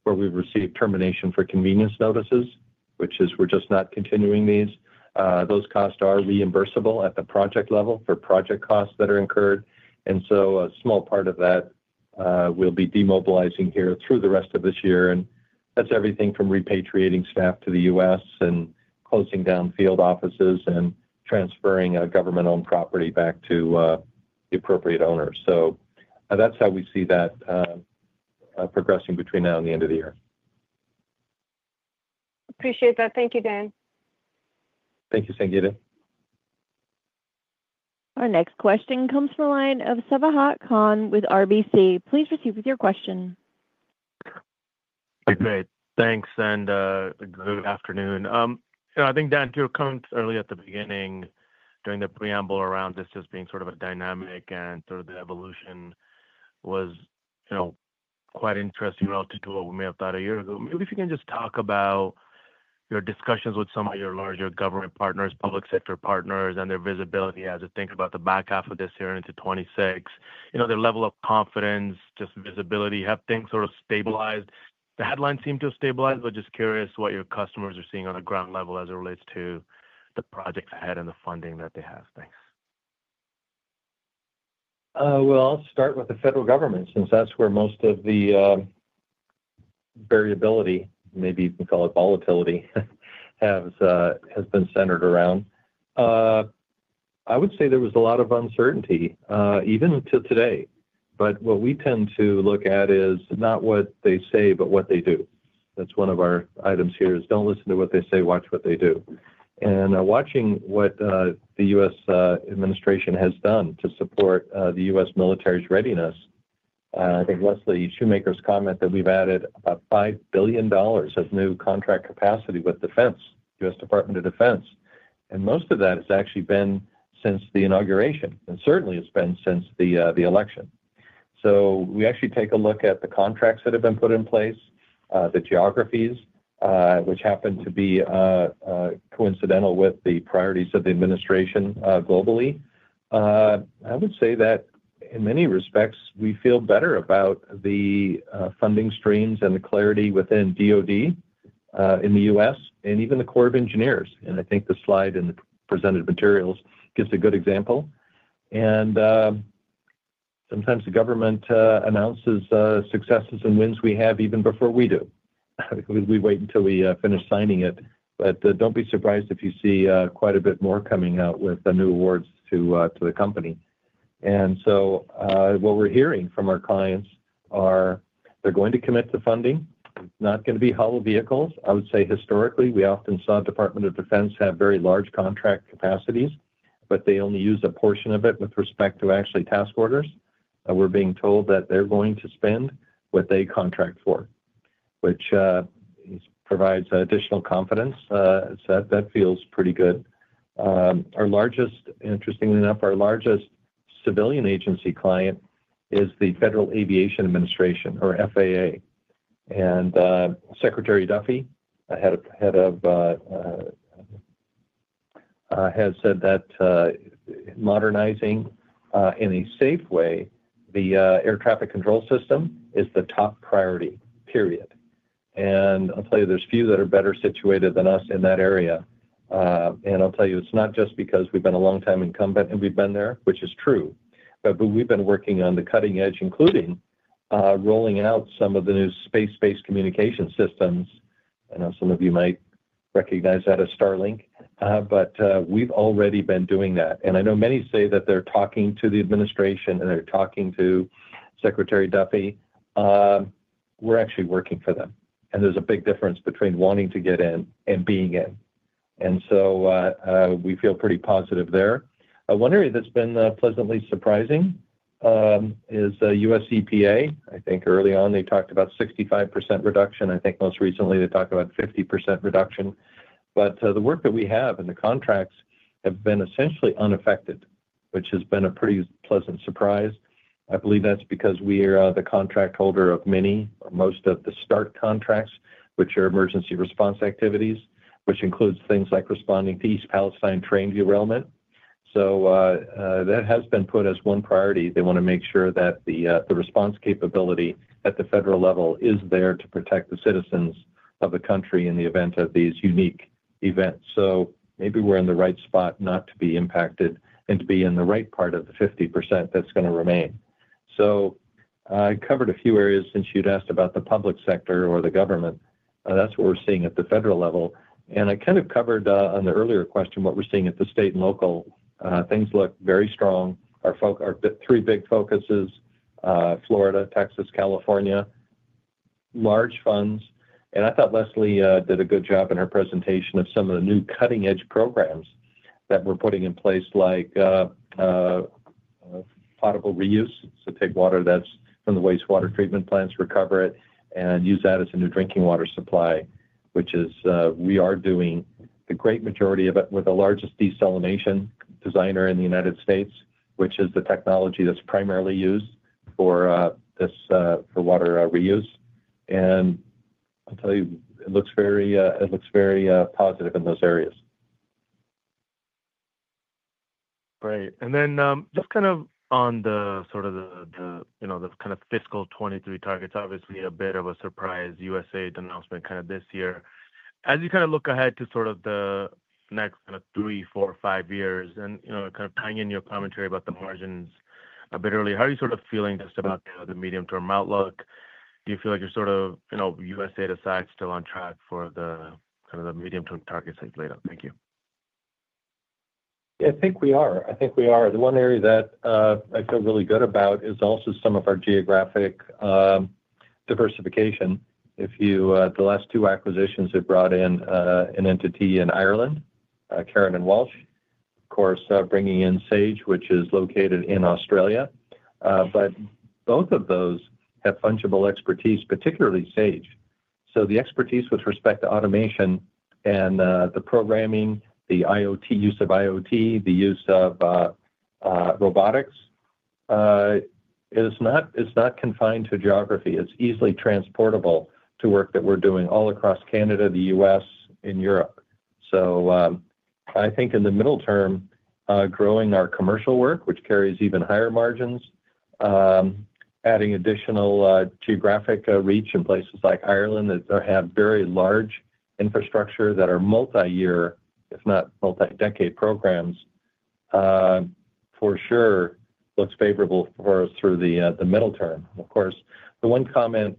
where we've received termination for convenience notices, which is we're just not continuing these. Those costs are reimbursable at the project level for project costs that are incurred. A small part of that we'll be demobilizing here through the rest of this year. That's everything from repatriating staff to the US and closing down field offices and transferring government-owned property back to the appropriate owners. That's how we see that progressing between now and the end of the year. Appreciate that. Thank you, Dan. Thank you, Sangita. Our next question comes from the line of Seva Haqqan with RBC. Please proceed with your question. Okay. Great. Thanks. Good afternoon. I think, Dan, too, coming early at the beginning during the preamble around this just being sort of a dynamic and sort of the evolution was quite interesting relative to what we may have thought a year ago. Maybe if you can just talk about your discussions with some of your larger government partners, public sector partners, and their visibility as you think about the back half of this year into 2026, their level of confidence, just visibility, have things sort of stabilized? The headlines seem to have stabilized, but just curious what your customers are seeing on a ground level as it relates to the projects ahead and the funding that they have. Thanks. I'll start with the federal government since that's where most of the variability, maybe you can call it volatility, has been centered around. I would say there was a lot of uncertainty even till today. What we tend to look at is not what they say, but what they do. That's one of our items here is don't listen to what they say, watch what they do. Watching what the U.S. administration has done to support the U.S. military's readiness, I think Leslie Shoemaker's comment that we've added about $5 billion of new contract capacity with Defense, U.S. Department of Defense. Most of that has actually been since the inauguration. Certainly, it's been since the election. We actually take a look at the contracts that have been put in place, the geographies, which happen to be coincidental with the priorities of the administration globally. I would say that in many respects, we feel better about the funding streams and the clarity within DOD in the U.S. and even the Corps of Engineers. I think the slide in the presented materials gives a good example. Sometimes the government announces successes and wins we have even before we do. We wait until we finish signing it. Do not be surprised if you see quite a bit more coming out with new awards to the company. What we're hearing from our clients is they're going to commit to funding. It's not going to be hollow vehicles. I would say historically, we often saw Department of Defense have very large contract capacities, but they only use a portion of it with respect to actually task orders. We're being told that they're going to spend what they contract for, which provides additional confidence. That feels pretty good. Interestingly enough, our largest civilian agency client is the Federal Aviation Administration or FAA. Secretary Duffy, head of, has said that modernizing in a safe way, the air traffic control system is the top priority. I'll tell you, there's few that are better situated than us in that area. I'll tell you, it's not just because we've been a long-time incumbent and we've been there, which is true. We've been working on the cutting edge, including rolling out some of the new space-based communication systems. I know some of you might recognize that as Starlink. We've already been doing that. I know many say that they're talking to the administration and they're talking to Secretary Duffy. We're actually working for them. There's a big difference between wanting to get in and being in. We feel pretty positive there. One area that's been pleasantly surprising is US EPA. I think early on, they talked about 65% reduction. I think most recently, they talked about 50% reduction. The work that we have and the contracts have been essentially unaffected, which has been a pretty pleasant surprise. I believe that's because we are the contract holder of many or most of the START contracts, which are emergency response activities, which includes things like responding to East Palestine Train derailment. That has been put as one priority. They want to make sure that the response capability at the federal level is there to protect the citizens of the country in the event of these unique events. Maybe we're in the right spot not to be impacted and to be in the right part of the 50% that's going to remain. I covered a few areas since you'd asked about the public sector or the government. That's what we're seeing at the federal level. I kind of covered on the earlier question what we're seeing at the state and local. Things look very strong. Our three big focuses: Florida, Texas, California, large funds. I thought Leslie did a good job in her presentation of some of the new cutting-edge programs that we're putting in place, like potable reuse. Take water that's from the wastewater treatment plants, recover it, and use that as a new drinking water supply, which we are doing the great majority of it with the largest desalination designer in the United States, which is the technology that's primarily used for water reuse. I'll tell you, it looks very positive in those areas. Great. And then just kind of on the sort of the kind of fiscal 2023 targets, obviously a bit of a surprise USAID announcement kind of this year. As you kind of look ahead to sort of the next kind of three, four, five years and kind of tying in your commentary about the margins a bit early, how are you sort of feeling just about the medium-term outlook? Do you feel like you're sort of USAID aside still on track for the kind of the medium-term targets they've laid out? Thank you. Yeah. I think we are. I think we are. The one area that I feel really good about is also some of our geographic diversification. The last two acquisitions have brought in an entity in Ireland, Karen and Walsh, of course, bringing in Sage, which is located in Australia. Both of those have fungible expertise, particularly Sage. The expertise with respect to automation and the programming, the use of IoT, the use of robotics is not confined to geography. It is easily transportable to work that we are doing all across Canada, the U.S., and Europe. I think in the middle term, growing our commercial work, which carries even higher margins, adding additional geographic reach in places like Ireland that have very large infrastructure that are multi-year, if not multi-decade programs, for sure looks favorable for us through the middle term. Of course, the one comment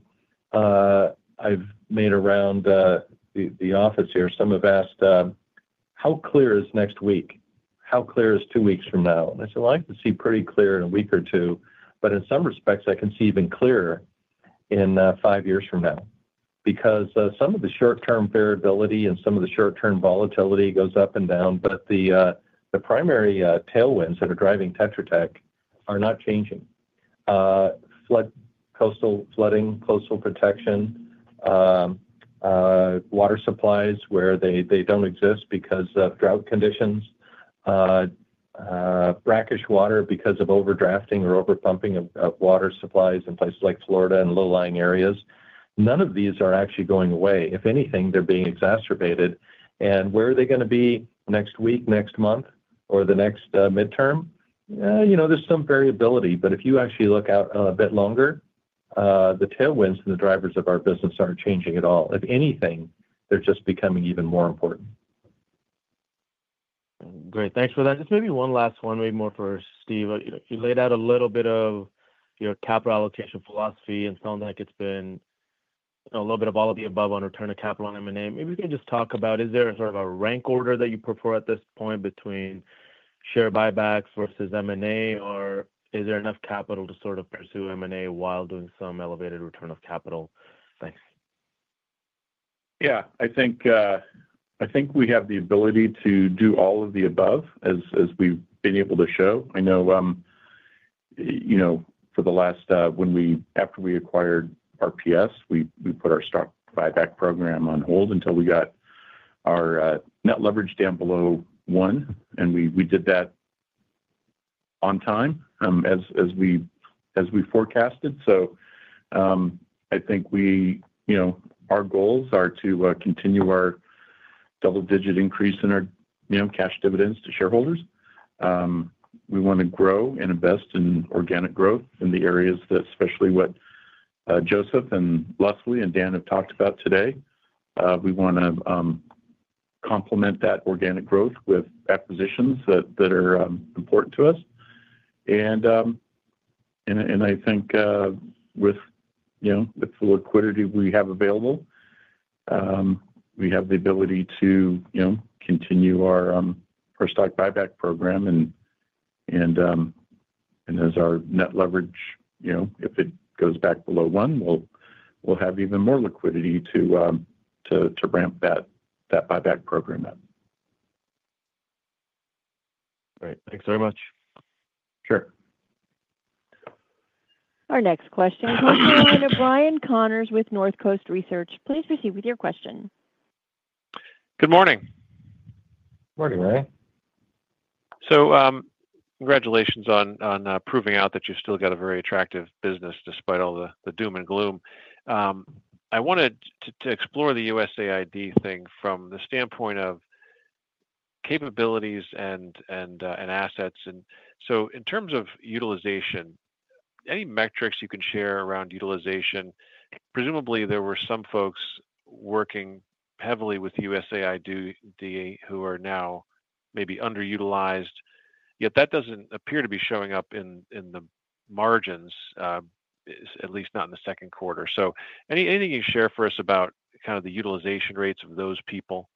I've made around the office here, some have asked, "How clear is next week? How clear is two weeks from now?" I said, "I can see pretty clear in a week or two. In some respects, I can see even clearer in five years from now." Some of the short-term variability and some of the short-term volatility goes up and down. The primary tailwinds that are driving Tetra Tech are not changing. Coastal flooding, coastal protection, water supplies where they do not exist because of drought conditions, brackish water because of overdrafting or overpumping of water supplies in places like Florida and low-lying areas. None of these are actually going away. If anything, they are being exacerbated. Where are they going to be next week, next month, or the next midterm? There is some variability. If you actually look out a bit longer, the tailwinds and the drivers of our business aren't changing at all. If anything, they're just becoming even more important. Great. Thanks for that. Just maybe one last one, maybe more for Steve. You laid out a little bit of your capital allocation philosophy and sounds like it's been a little bit of all of the above on return to capital and M&A. Maybe you can just talk about, is there sort of a rank order that you prefer at this point between share buybacks versus M&A, or is there enough capital to sort of pursue M&A while doing some elevated return of capital? Thanks. Yeah. I think we have the ability to do all of the above as we've been able to show. I know for the last, when we, after we acquired RPS, we put our START buyback program on hold until we got our net leverage down below one. We did that on time as we forecasted. I think our goals are to continue our double-digit increase in our cash dividends to shareholders. We want to grow and invest in organic growth in the areas that especially what Joseph and Leslie and Dan have talked about today. We want to complement that organic growth with acquisitions that are important to us. I think with the liquidity we have available, we have the ability to continue our START buyback program. If our net leverage goes back below one, we'll have even more liquidity to ramp that buyback program up. Great. Thanks very much. Sure. Our next question comes from Brian Connors with Northcoast Research. Please proceed with your question. Good morning. Good morning, Brian. Congratulations on proving out that you've still got a very attractive business despite all the doom and gloom. I wanted to explore the USAID thing from the standpoint of capabilities and assets. In terms of utilization, any metrics you can share around utilization? Presumably, there were some folks working heavily with USAID who are now maybe underutilized, yet that doesn't appear to be showing up in the margins, at least not in the second quarter. Anything you can share for us about kind of the utilization rates of those people?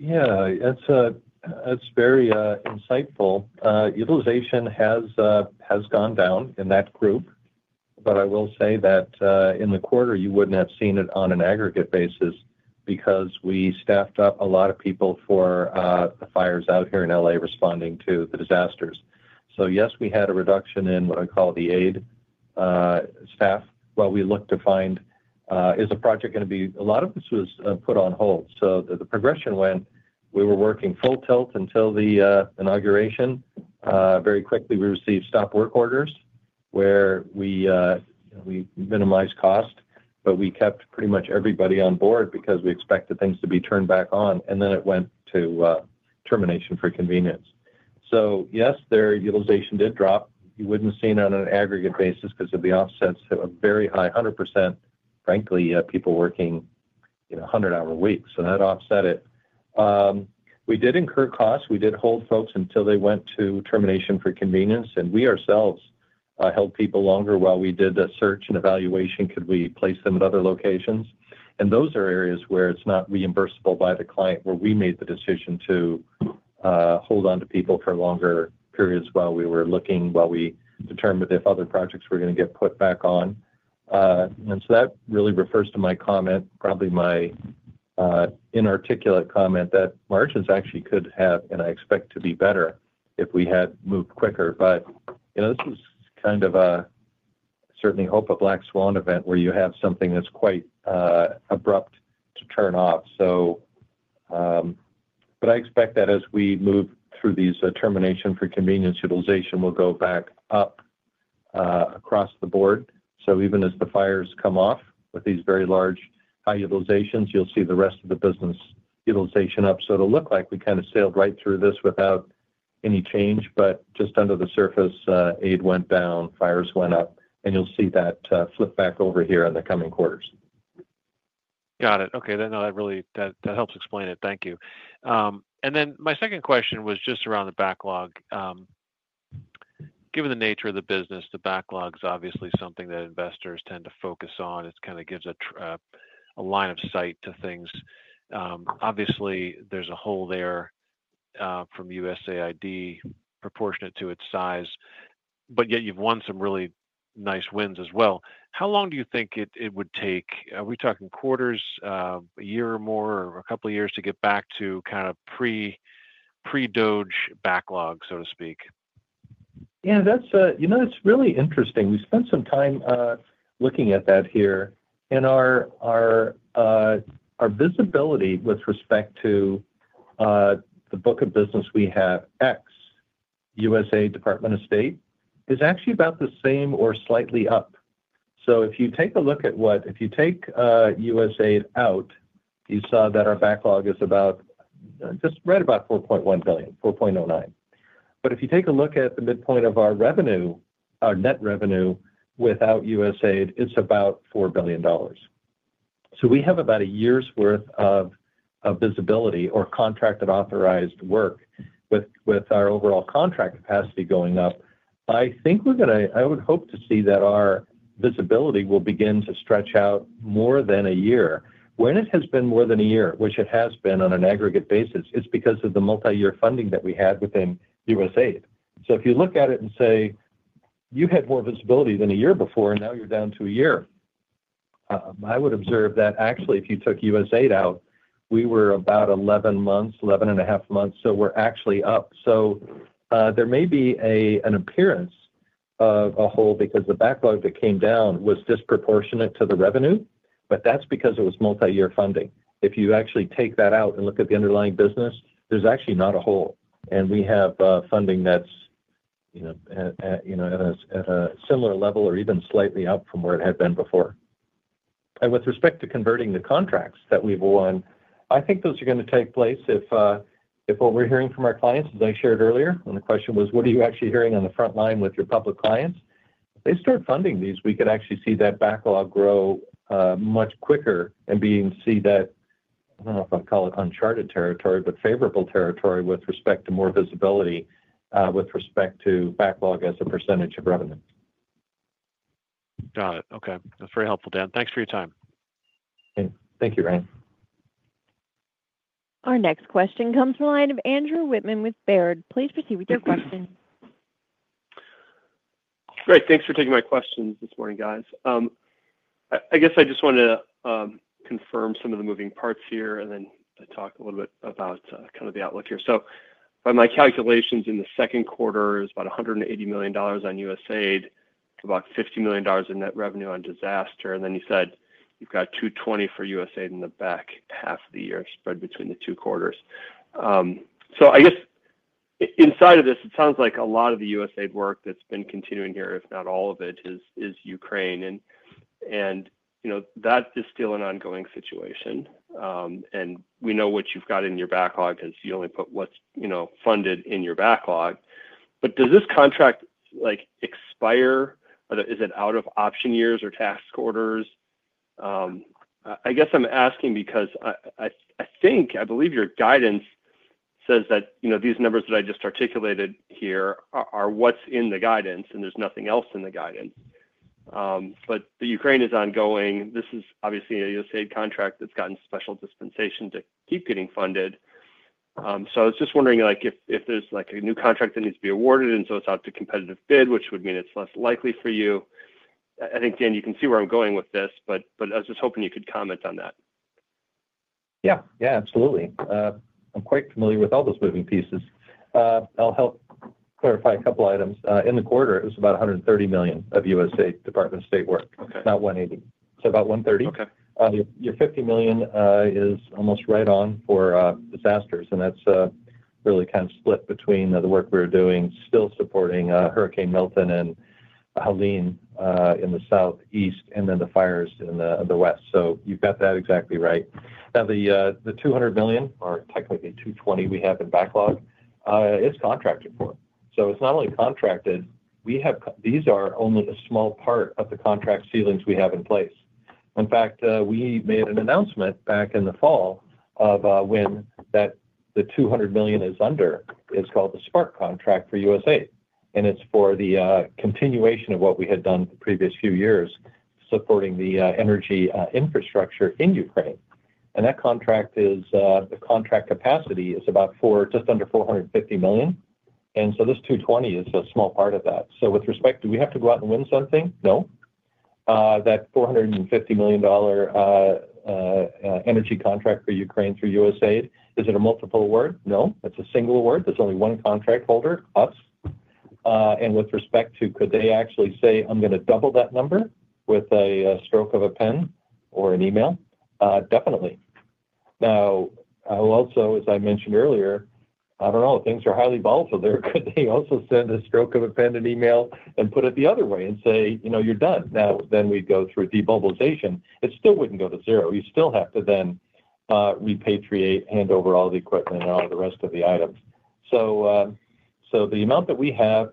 Yeah. That's very insightful. Utilization has gone down in that group. I will say that in the quarter, you would not have seen it on an aggregate basis because we staffed up a lot of people for the fires out here in LA responding to the disasters. Yes, we had a reduction in what I call the aid staff while we looked to find, is a project going to be—a lot of this was put on hold. The progression went, we were working full tilt until the inauguration. Very quickly, we received stop work orders where we minimized cost, but we kept pretty much everybody on board because we expected things to be turned back on. It went to termination for convenience. Yes, their utilization did drop. You would not have seen it on an aggregate basis because of the offsets of a very high 100%, frankly, people working 100-hour weeks. That offset it. We did incur costs. We did hold folks until they went to termination for convenience. We ourselves held people longer while we did the search and evaluation. Could we place them at other locations? Those are areas where it is not reimbursable by the client, where we made the decision to hold on to people for longer periods while we were looking, while we determined if other projects were going to get put back on. That really refers to my comment, probably my inarticulate comment, that margins actually could have, and I expect to be, better if we had moved quicker. This is kind of a certainly, hope, a black swan event where you have something that's quite abrupt to turn off. I expect that as we move through these termination for convenience, utilization will go back up across the board. Even as the fires come off with these very large high utilizations, you'll see the rest of the business utilization up. It'll look like we kind of sailed right through this without any change. Just under the surface, aid went down, fires went up. You'll see that flip back over here in the coming quarters. Got it. Okay. That helps explain it. Thank you. My second question was just around the backlog. Given the nature of the business, the backlog is obviously something that investors tend to focus on. It kind of gives a line of sight to things. Obviously, there's a hole there from USAID proportionate to its size. Yet you've won some really nice wins as well. How long do you think it would take? Are we talking quarters, a year or more, or a couple of years to get back to kind of pre-USAID backlog, so to speak? Yeah. That's really interesting. We spent some time looking at that here. Our visibility with respect to the book of business we have, X, USAID Department of State is actually about the same or slightly up. If you take a look at what, if you take USAID out, you saw that our backlog is just right about $4.1 billion, $4.09 billion. If you take a look at the midpoint of our revenue, our net revenue without USAID, it's about $4 billion. We have about a year's worth of visibility or contracted authorized work with our overall contract capacity going up. I think we're going to, I would hope to see that our visibility will begin to stretch out more than a year. When it has been more than a year, which it has been on an aggregate basis, it's because of the multi-year funding that we had within USAID. If you look at it and say, "You had more visibility than a year before, and now you're down to a year," I would observe that actually, if you took USAID out, we were about 11 months, 11 and a half months. We're actually up. There may be an appearance of a hole because the backlog that came down was disproportionate to the revenue. That's because it was multi-year funding. If you actually take that out and look at the underlying business, there's actually not a hole. We have funding that's at a similar level or even slightly up from where it had been before. With respect to converting the contracts that we've won, I think those are going to take place if what we're hearing from our clients, as I shared earlier when the question was, "What are you actually hearing on the front line with your public clients?" If they start funding these, we could actually see that backlog grow much quicker and be able to see that, I don't know if I'd call it uncharted territory, but favorable territory with respect to more visibility with respect to backlog as a percentage of revenue. Got it. Okay. That's very helpful, Dan. Thanks for your time. Thank you, Brain. Our next question comes from the line of Andrew Whitman with Baird. Please proceed with your question. Great. Thanks for taking my questions this morning, guys. I guess I just want to confirm some of the moving parts here and then talk a little bit about kind of the outlook here. By my calculations in the second quarter, it was about $180 million on USAID, about $50 million in net revenue on disaster. You said you have $220 million for USAID in the back half of the year spread between the two quarters. I guess inside of this, it sounds like a lot of the USAID work that has been continuing here, if not all of it, is Ukraine. That is still an ongoing situation. We know what you have in your backlog because you only put what is funded in your backlog. Does this contract expire? Is it out of option years or task orders? I guess I'm asking because I think I believe your guidance says that these numbers that I just articulated here are what's in the guidance, and there's nothing else in the guidance. The Ukraine is ongoing. This is obviously a USAID contract that's gotten special dispensation to keep getting funded. I was just wondering if there's a new contract that needs to be awarded, and it's out to competitive bid, which would mean it's less likely for you. I think, Dan, you can see where I'm going with this, but I was just hoping you could comment on that. Yeah. Yeah. Absolutely. I'm quite familiar with all those moving pieces. I'll help clarify a couple of items. In the quarter, it was about $130 million of USAID Department of State work, not $180 million. So about $130 million. Your $50 million is almost right on for disasters. And that's really kind of split between the work we're doing, still supporting Hurricane Milton and Helene in the southeast, and then the fires in the west. You've got that exactly right. Now, the $200 million or technically $220 million we have in backlog is contracted for. It's not only contracted. These are only a small part of the contract ceilings we have in place. In fact, we made an announcement back in the fall of when that the $200 million is under is called the SPARC contract for USAID. It is for the continuation of what we had done the previous few years supporting the energy infrastructure in Ukraine. That contract capacity is just under $450 million. This $220 million is a small part of that. With respect to do we have to go out and win something? No. That $450 million energy contract for Ukraine through USAID, is it a multiple award? No. It is a single award. There is only one contract holder, us. With respect to could they actually say, "I am going to double that number with a stroke of a pen or an email"? Definitely. Also, as I mentioned earlier, I do not know. Things are highly volatile there. Could they also send a stroke of a pen and email and put it the other way and say, "You are done"? We would go through demobilization. It still would not go to zero. You still have to then repatriate, hand over all the equipment and all the rest of the items. So the amount that we have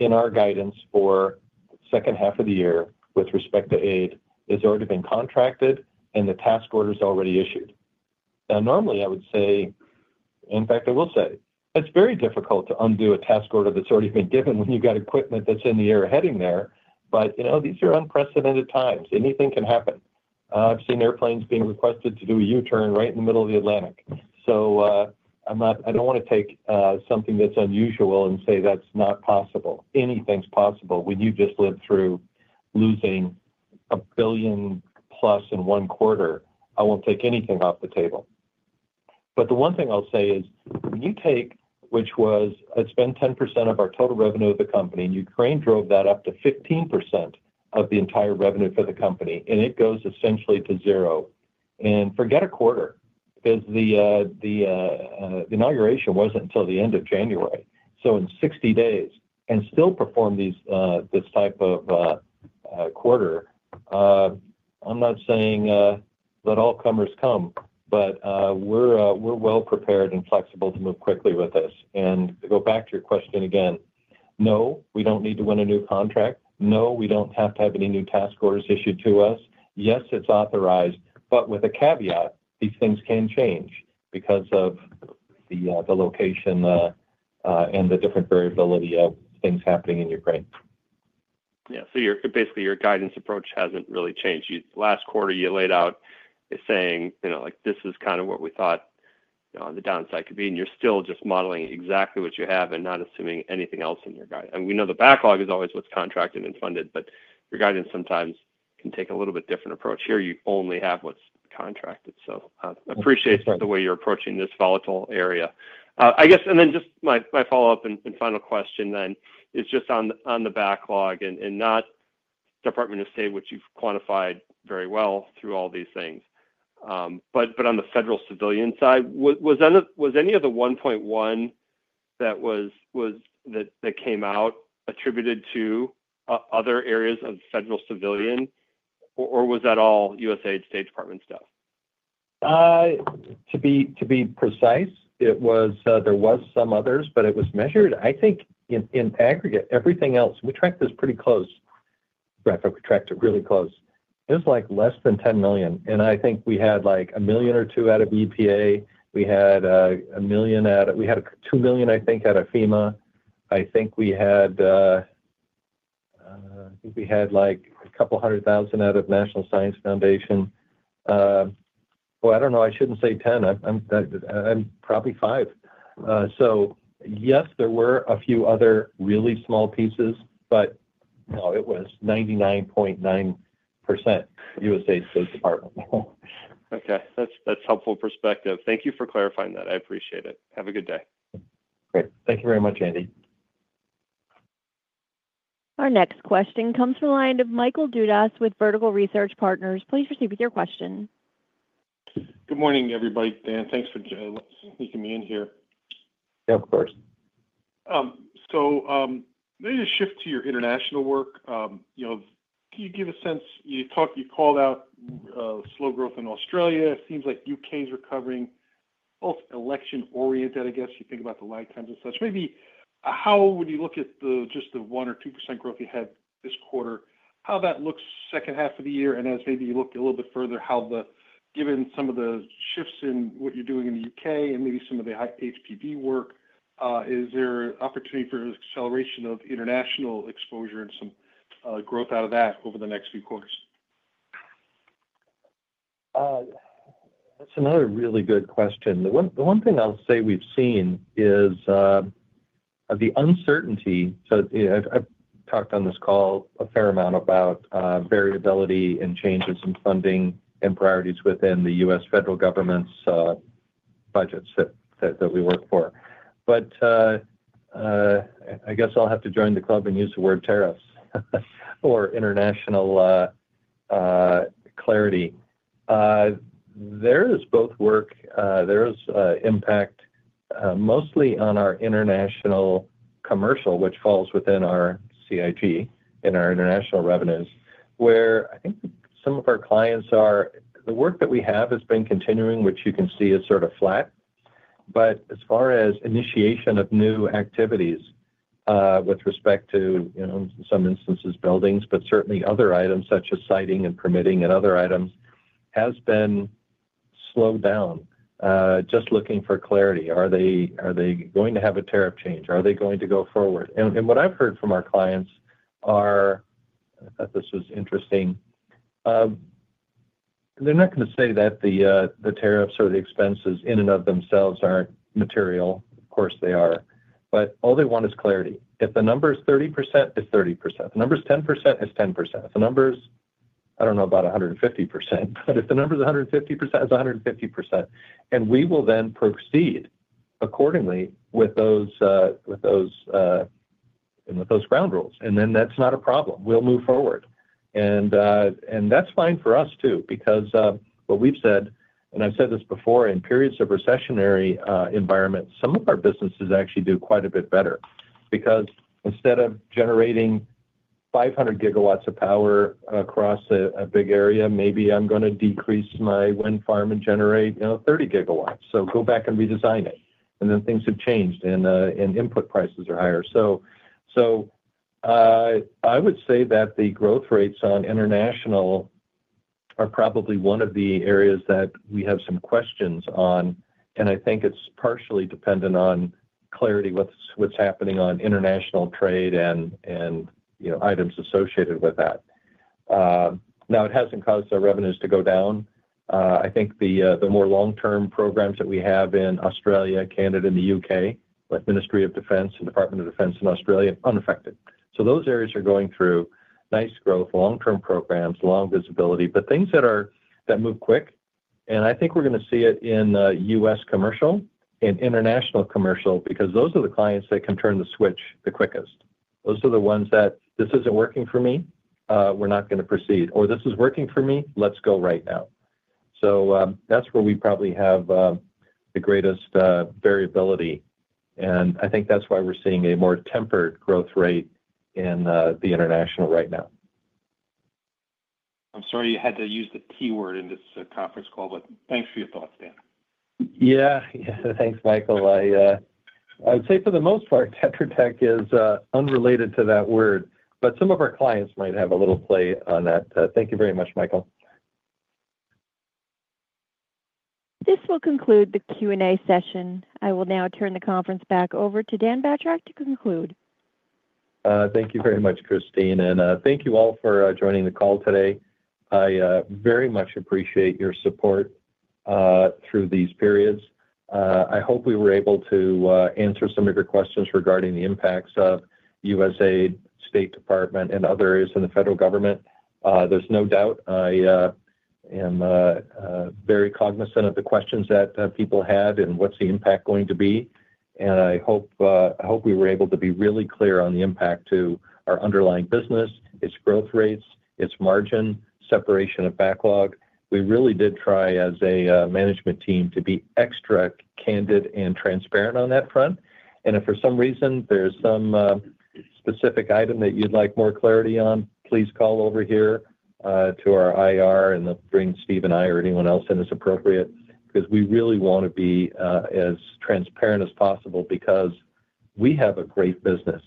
in our guidance for the second half of the year with respect to aid has already been contracted, and the task order is already issued. Now, normally, I would say in fact, I will say it is very difficult to undo a task order that has already been given when you have got equipment that is in the air heading there. But these are unprecedented times. Anything can happen. I have seen airplanes being requested to do a U-turn right in the middle of the Atlantic. I do not want to take something that is unusual and say that is not possible. Anything is possible when you just live through losing a billion plus in one quarter. I will not take anything off the table. The one thing I'll say is when you take, which was it spent 10% of our total revenue of the company, and Ukraine drove that up to 15% of the entire revenue for the company, and it goes essentially to zero. Forget a quarter because the inauguration was not until the end of January. In 60 days and still perform this type of quarter, I'm not saying that all comers come, but we're well prepared and flexible to move quickly with this. To go back to your question again, no, we don't need to win a new contract. No, we don't have to have any new task orders issued to us. Yes, it's authorized, but with a caveat, these things can change because of the location and the different variability of things happening in Ukraine. Yeah. So basically, your guidance approach hasn't really changed. Last quarter, you laid out saying, "This is kind of what we thought the downside could be." You're still just modeling exactly what you have and not assuming anything else in your guidance. We know the backlog is always what's contracted and funded, but your guidance sometimes can take a little bit different approach. Here, you only have what's contracted. I appreciate the way you're approaching this volatile area. I guess, and then just my follow-up and final question then is just on the backlog and not Department of State, which you've quantified very well through all these things, but on the federal civilian side, was any of the $1.1 billion that came out attributed to other areas of federal civilian, or was that all USAID State Department stuff? To be precise, there were some others, but it was measured, I think, in aggregate. Everything else, we tracked this pretty close. In fact, we tracked it really close. It was less than $10 million. And I think we had a million or two out of EPA. We had a million out of, we had $2 million, I think, out of FEMA. I think we had a couple of hundred thousand out of National Science Foundation. I do not know. I should not say $10 million. I am probably $5 million. Yes, there were a few other really small pieces, but no, it was 99.9% USAID State Department. Okay. That's helpful perspective. Thank you for clarifying that. I appreciate it. Have a good day. Great. Thank you very much, Andy. Our next question comes from the line of Michael Dudas with Vertical Research Partners. Please proceed with your question. Good morning, everybody. Dan, thanks for sneaking me in here. Yeah, of course. Maybe just shift to your international work. Can you give a sense? You called out slow growth in Australia. It seems like the U.K. is recovering, both election-oriented, I guess, you think about the lag times and such. Maybe how would you look at just the 1% or 2% growth you had this quarter? How that looks second half of the year? As maybe you look a little bit further, given some of the shifts in what you're doing in the U.K. and maybe some of the HPV work, is there an opportunity for acceleration of international exposure and some growth out of that over the next few quarters? That's another really good question. The one thing I'll say we've seen is the uncertainty. I've talked on this call a fair amount about variability and changes in funding and priorities within the U.S. federal government's budgets that we work for. I guess I'll have to join the club and use the word tariffs or international clarity. There is both work. There is impact mostly on our international commercial, which falls within our CIG and our international revenues, where I think some of our clients or the work that we have has been continuing, which you can see is sort of flat. As far as initiation of new activities with respect to, in some instances, buildings, but certainly other items such as siting and permitting and other items, it has been slowed down. Just looking for clarity. Are they going to have a tariff change? Are they going to go forward? What I've heard from our clients are, I thought this was interesting, they're not going to say that the tariffs or the expenses in and of themselves aren't material. Of course, they are. All they want is clarity. If the number is 30%, it's 30%. If the number is 10%, it's 10%. If the number is, I don't know, about 150%. If the number is 150%, it's 150%. We will then proceed accordingly with those ground rules. That's not a problem. We'll move forward. That's fine for us too because what we've said, and I've said this before, in periods of recessionary environments, some of our businesses actually do quite a bit better because instead of generating 500 GW of power across a big area, maybe I'm going to decrease my wind farm and generate 30 gigawatts. Go back and redesign it. Things have changed, and input prices are higher. I would say that the growth rates on international are probably one of the areas that we have some questions on. I think it is partially dependent on clarity of what is happening on international trade and items associated with that. It has not caused our revenues to go down. I think the more long-term programs that we have in Australia, Canada, and the U.K., like Ministry of Defense and Department of Defense in Australia, are unaffected. Those areas are going through nice growth, long-term programs, long visibility, but things that move quick. I think we are going to see it in U.S. commercial and international commercial because those are the clients that can turn the switch the quickest. Those are the ones that, "This is not working for me. We're not going to proceed." Or, "This is working for me. Let's go right now." That is where we probably have the greatest variability. I think that is why we are seeing a more tempered growth rate in the international right now. I'm sorry you had to use the T word in this conference call, but thanks for your thoughts, Dan. Yeah. Thanks, Michael. I would say for the most part, Tetra Tech is unrelated to that word. But some of our clients might have a little play on that. Thank you very much, Michael. This will conclude the Q&A session. I will now turn the conference back over to Dan Batrack to conclude. Thank you very much, Christine. Thank you all for joining the call today. I very much appreciate your support through these periods. I hope we were able to answer some of your questions regarding the impacts of USAID, State Department, and other areas in the federal government. There is no doubt I am very cognizant of the questions that people had and what is the impact going to be. I hope we were able to be really clear on the impact to our underlying business, its growth rates, its margin, separation of backlog. We really did try as a management team to be extra candid and transparent on that front. If for some reason there is some specific item that you would like more clarity on, please call over here to our IR, and they will bring Steve and I or anyone else in as appropriate because we really want to be as transparent as possible because we have a great business.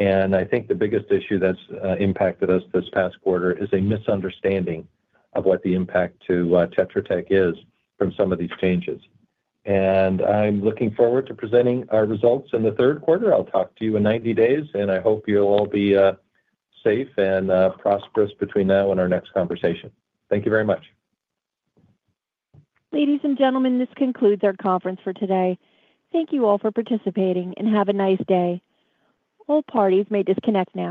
I think the biggest issue that has impacted us this past quarter is a misunderstanding of what the impact to Tetra Tech is from some of these changes. I am looking forward to presenting our results in the third quarter. I will talk to you in 90 days. I hope you will all be safe and prosperous between now and our next conversation. Thank you very much. Ladies and gentlemen, this concludes our conference for today. Thank you all for participating and have a nice day. All parties may disconnect now.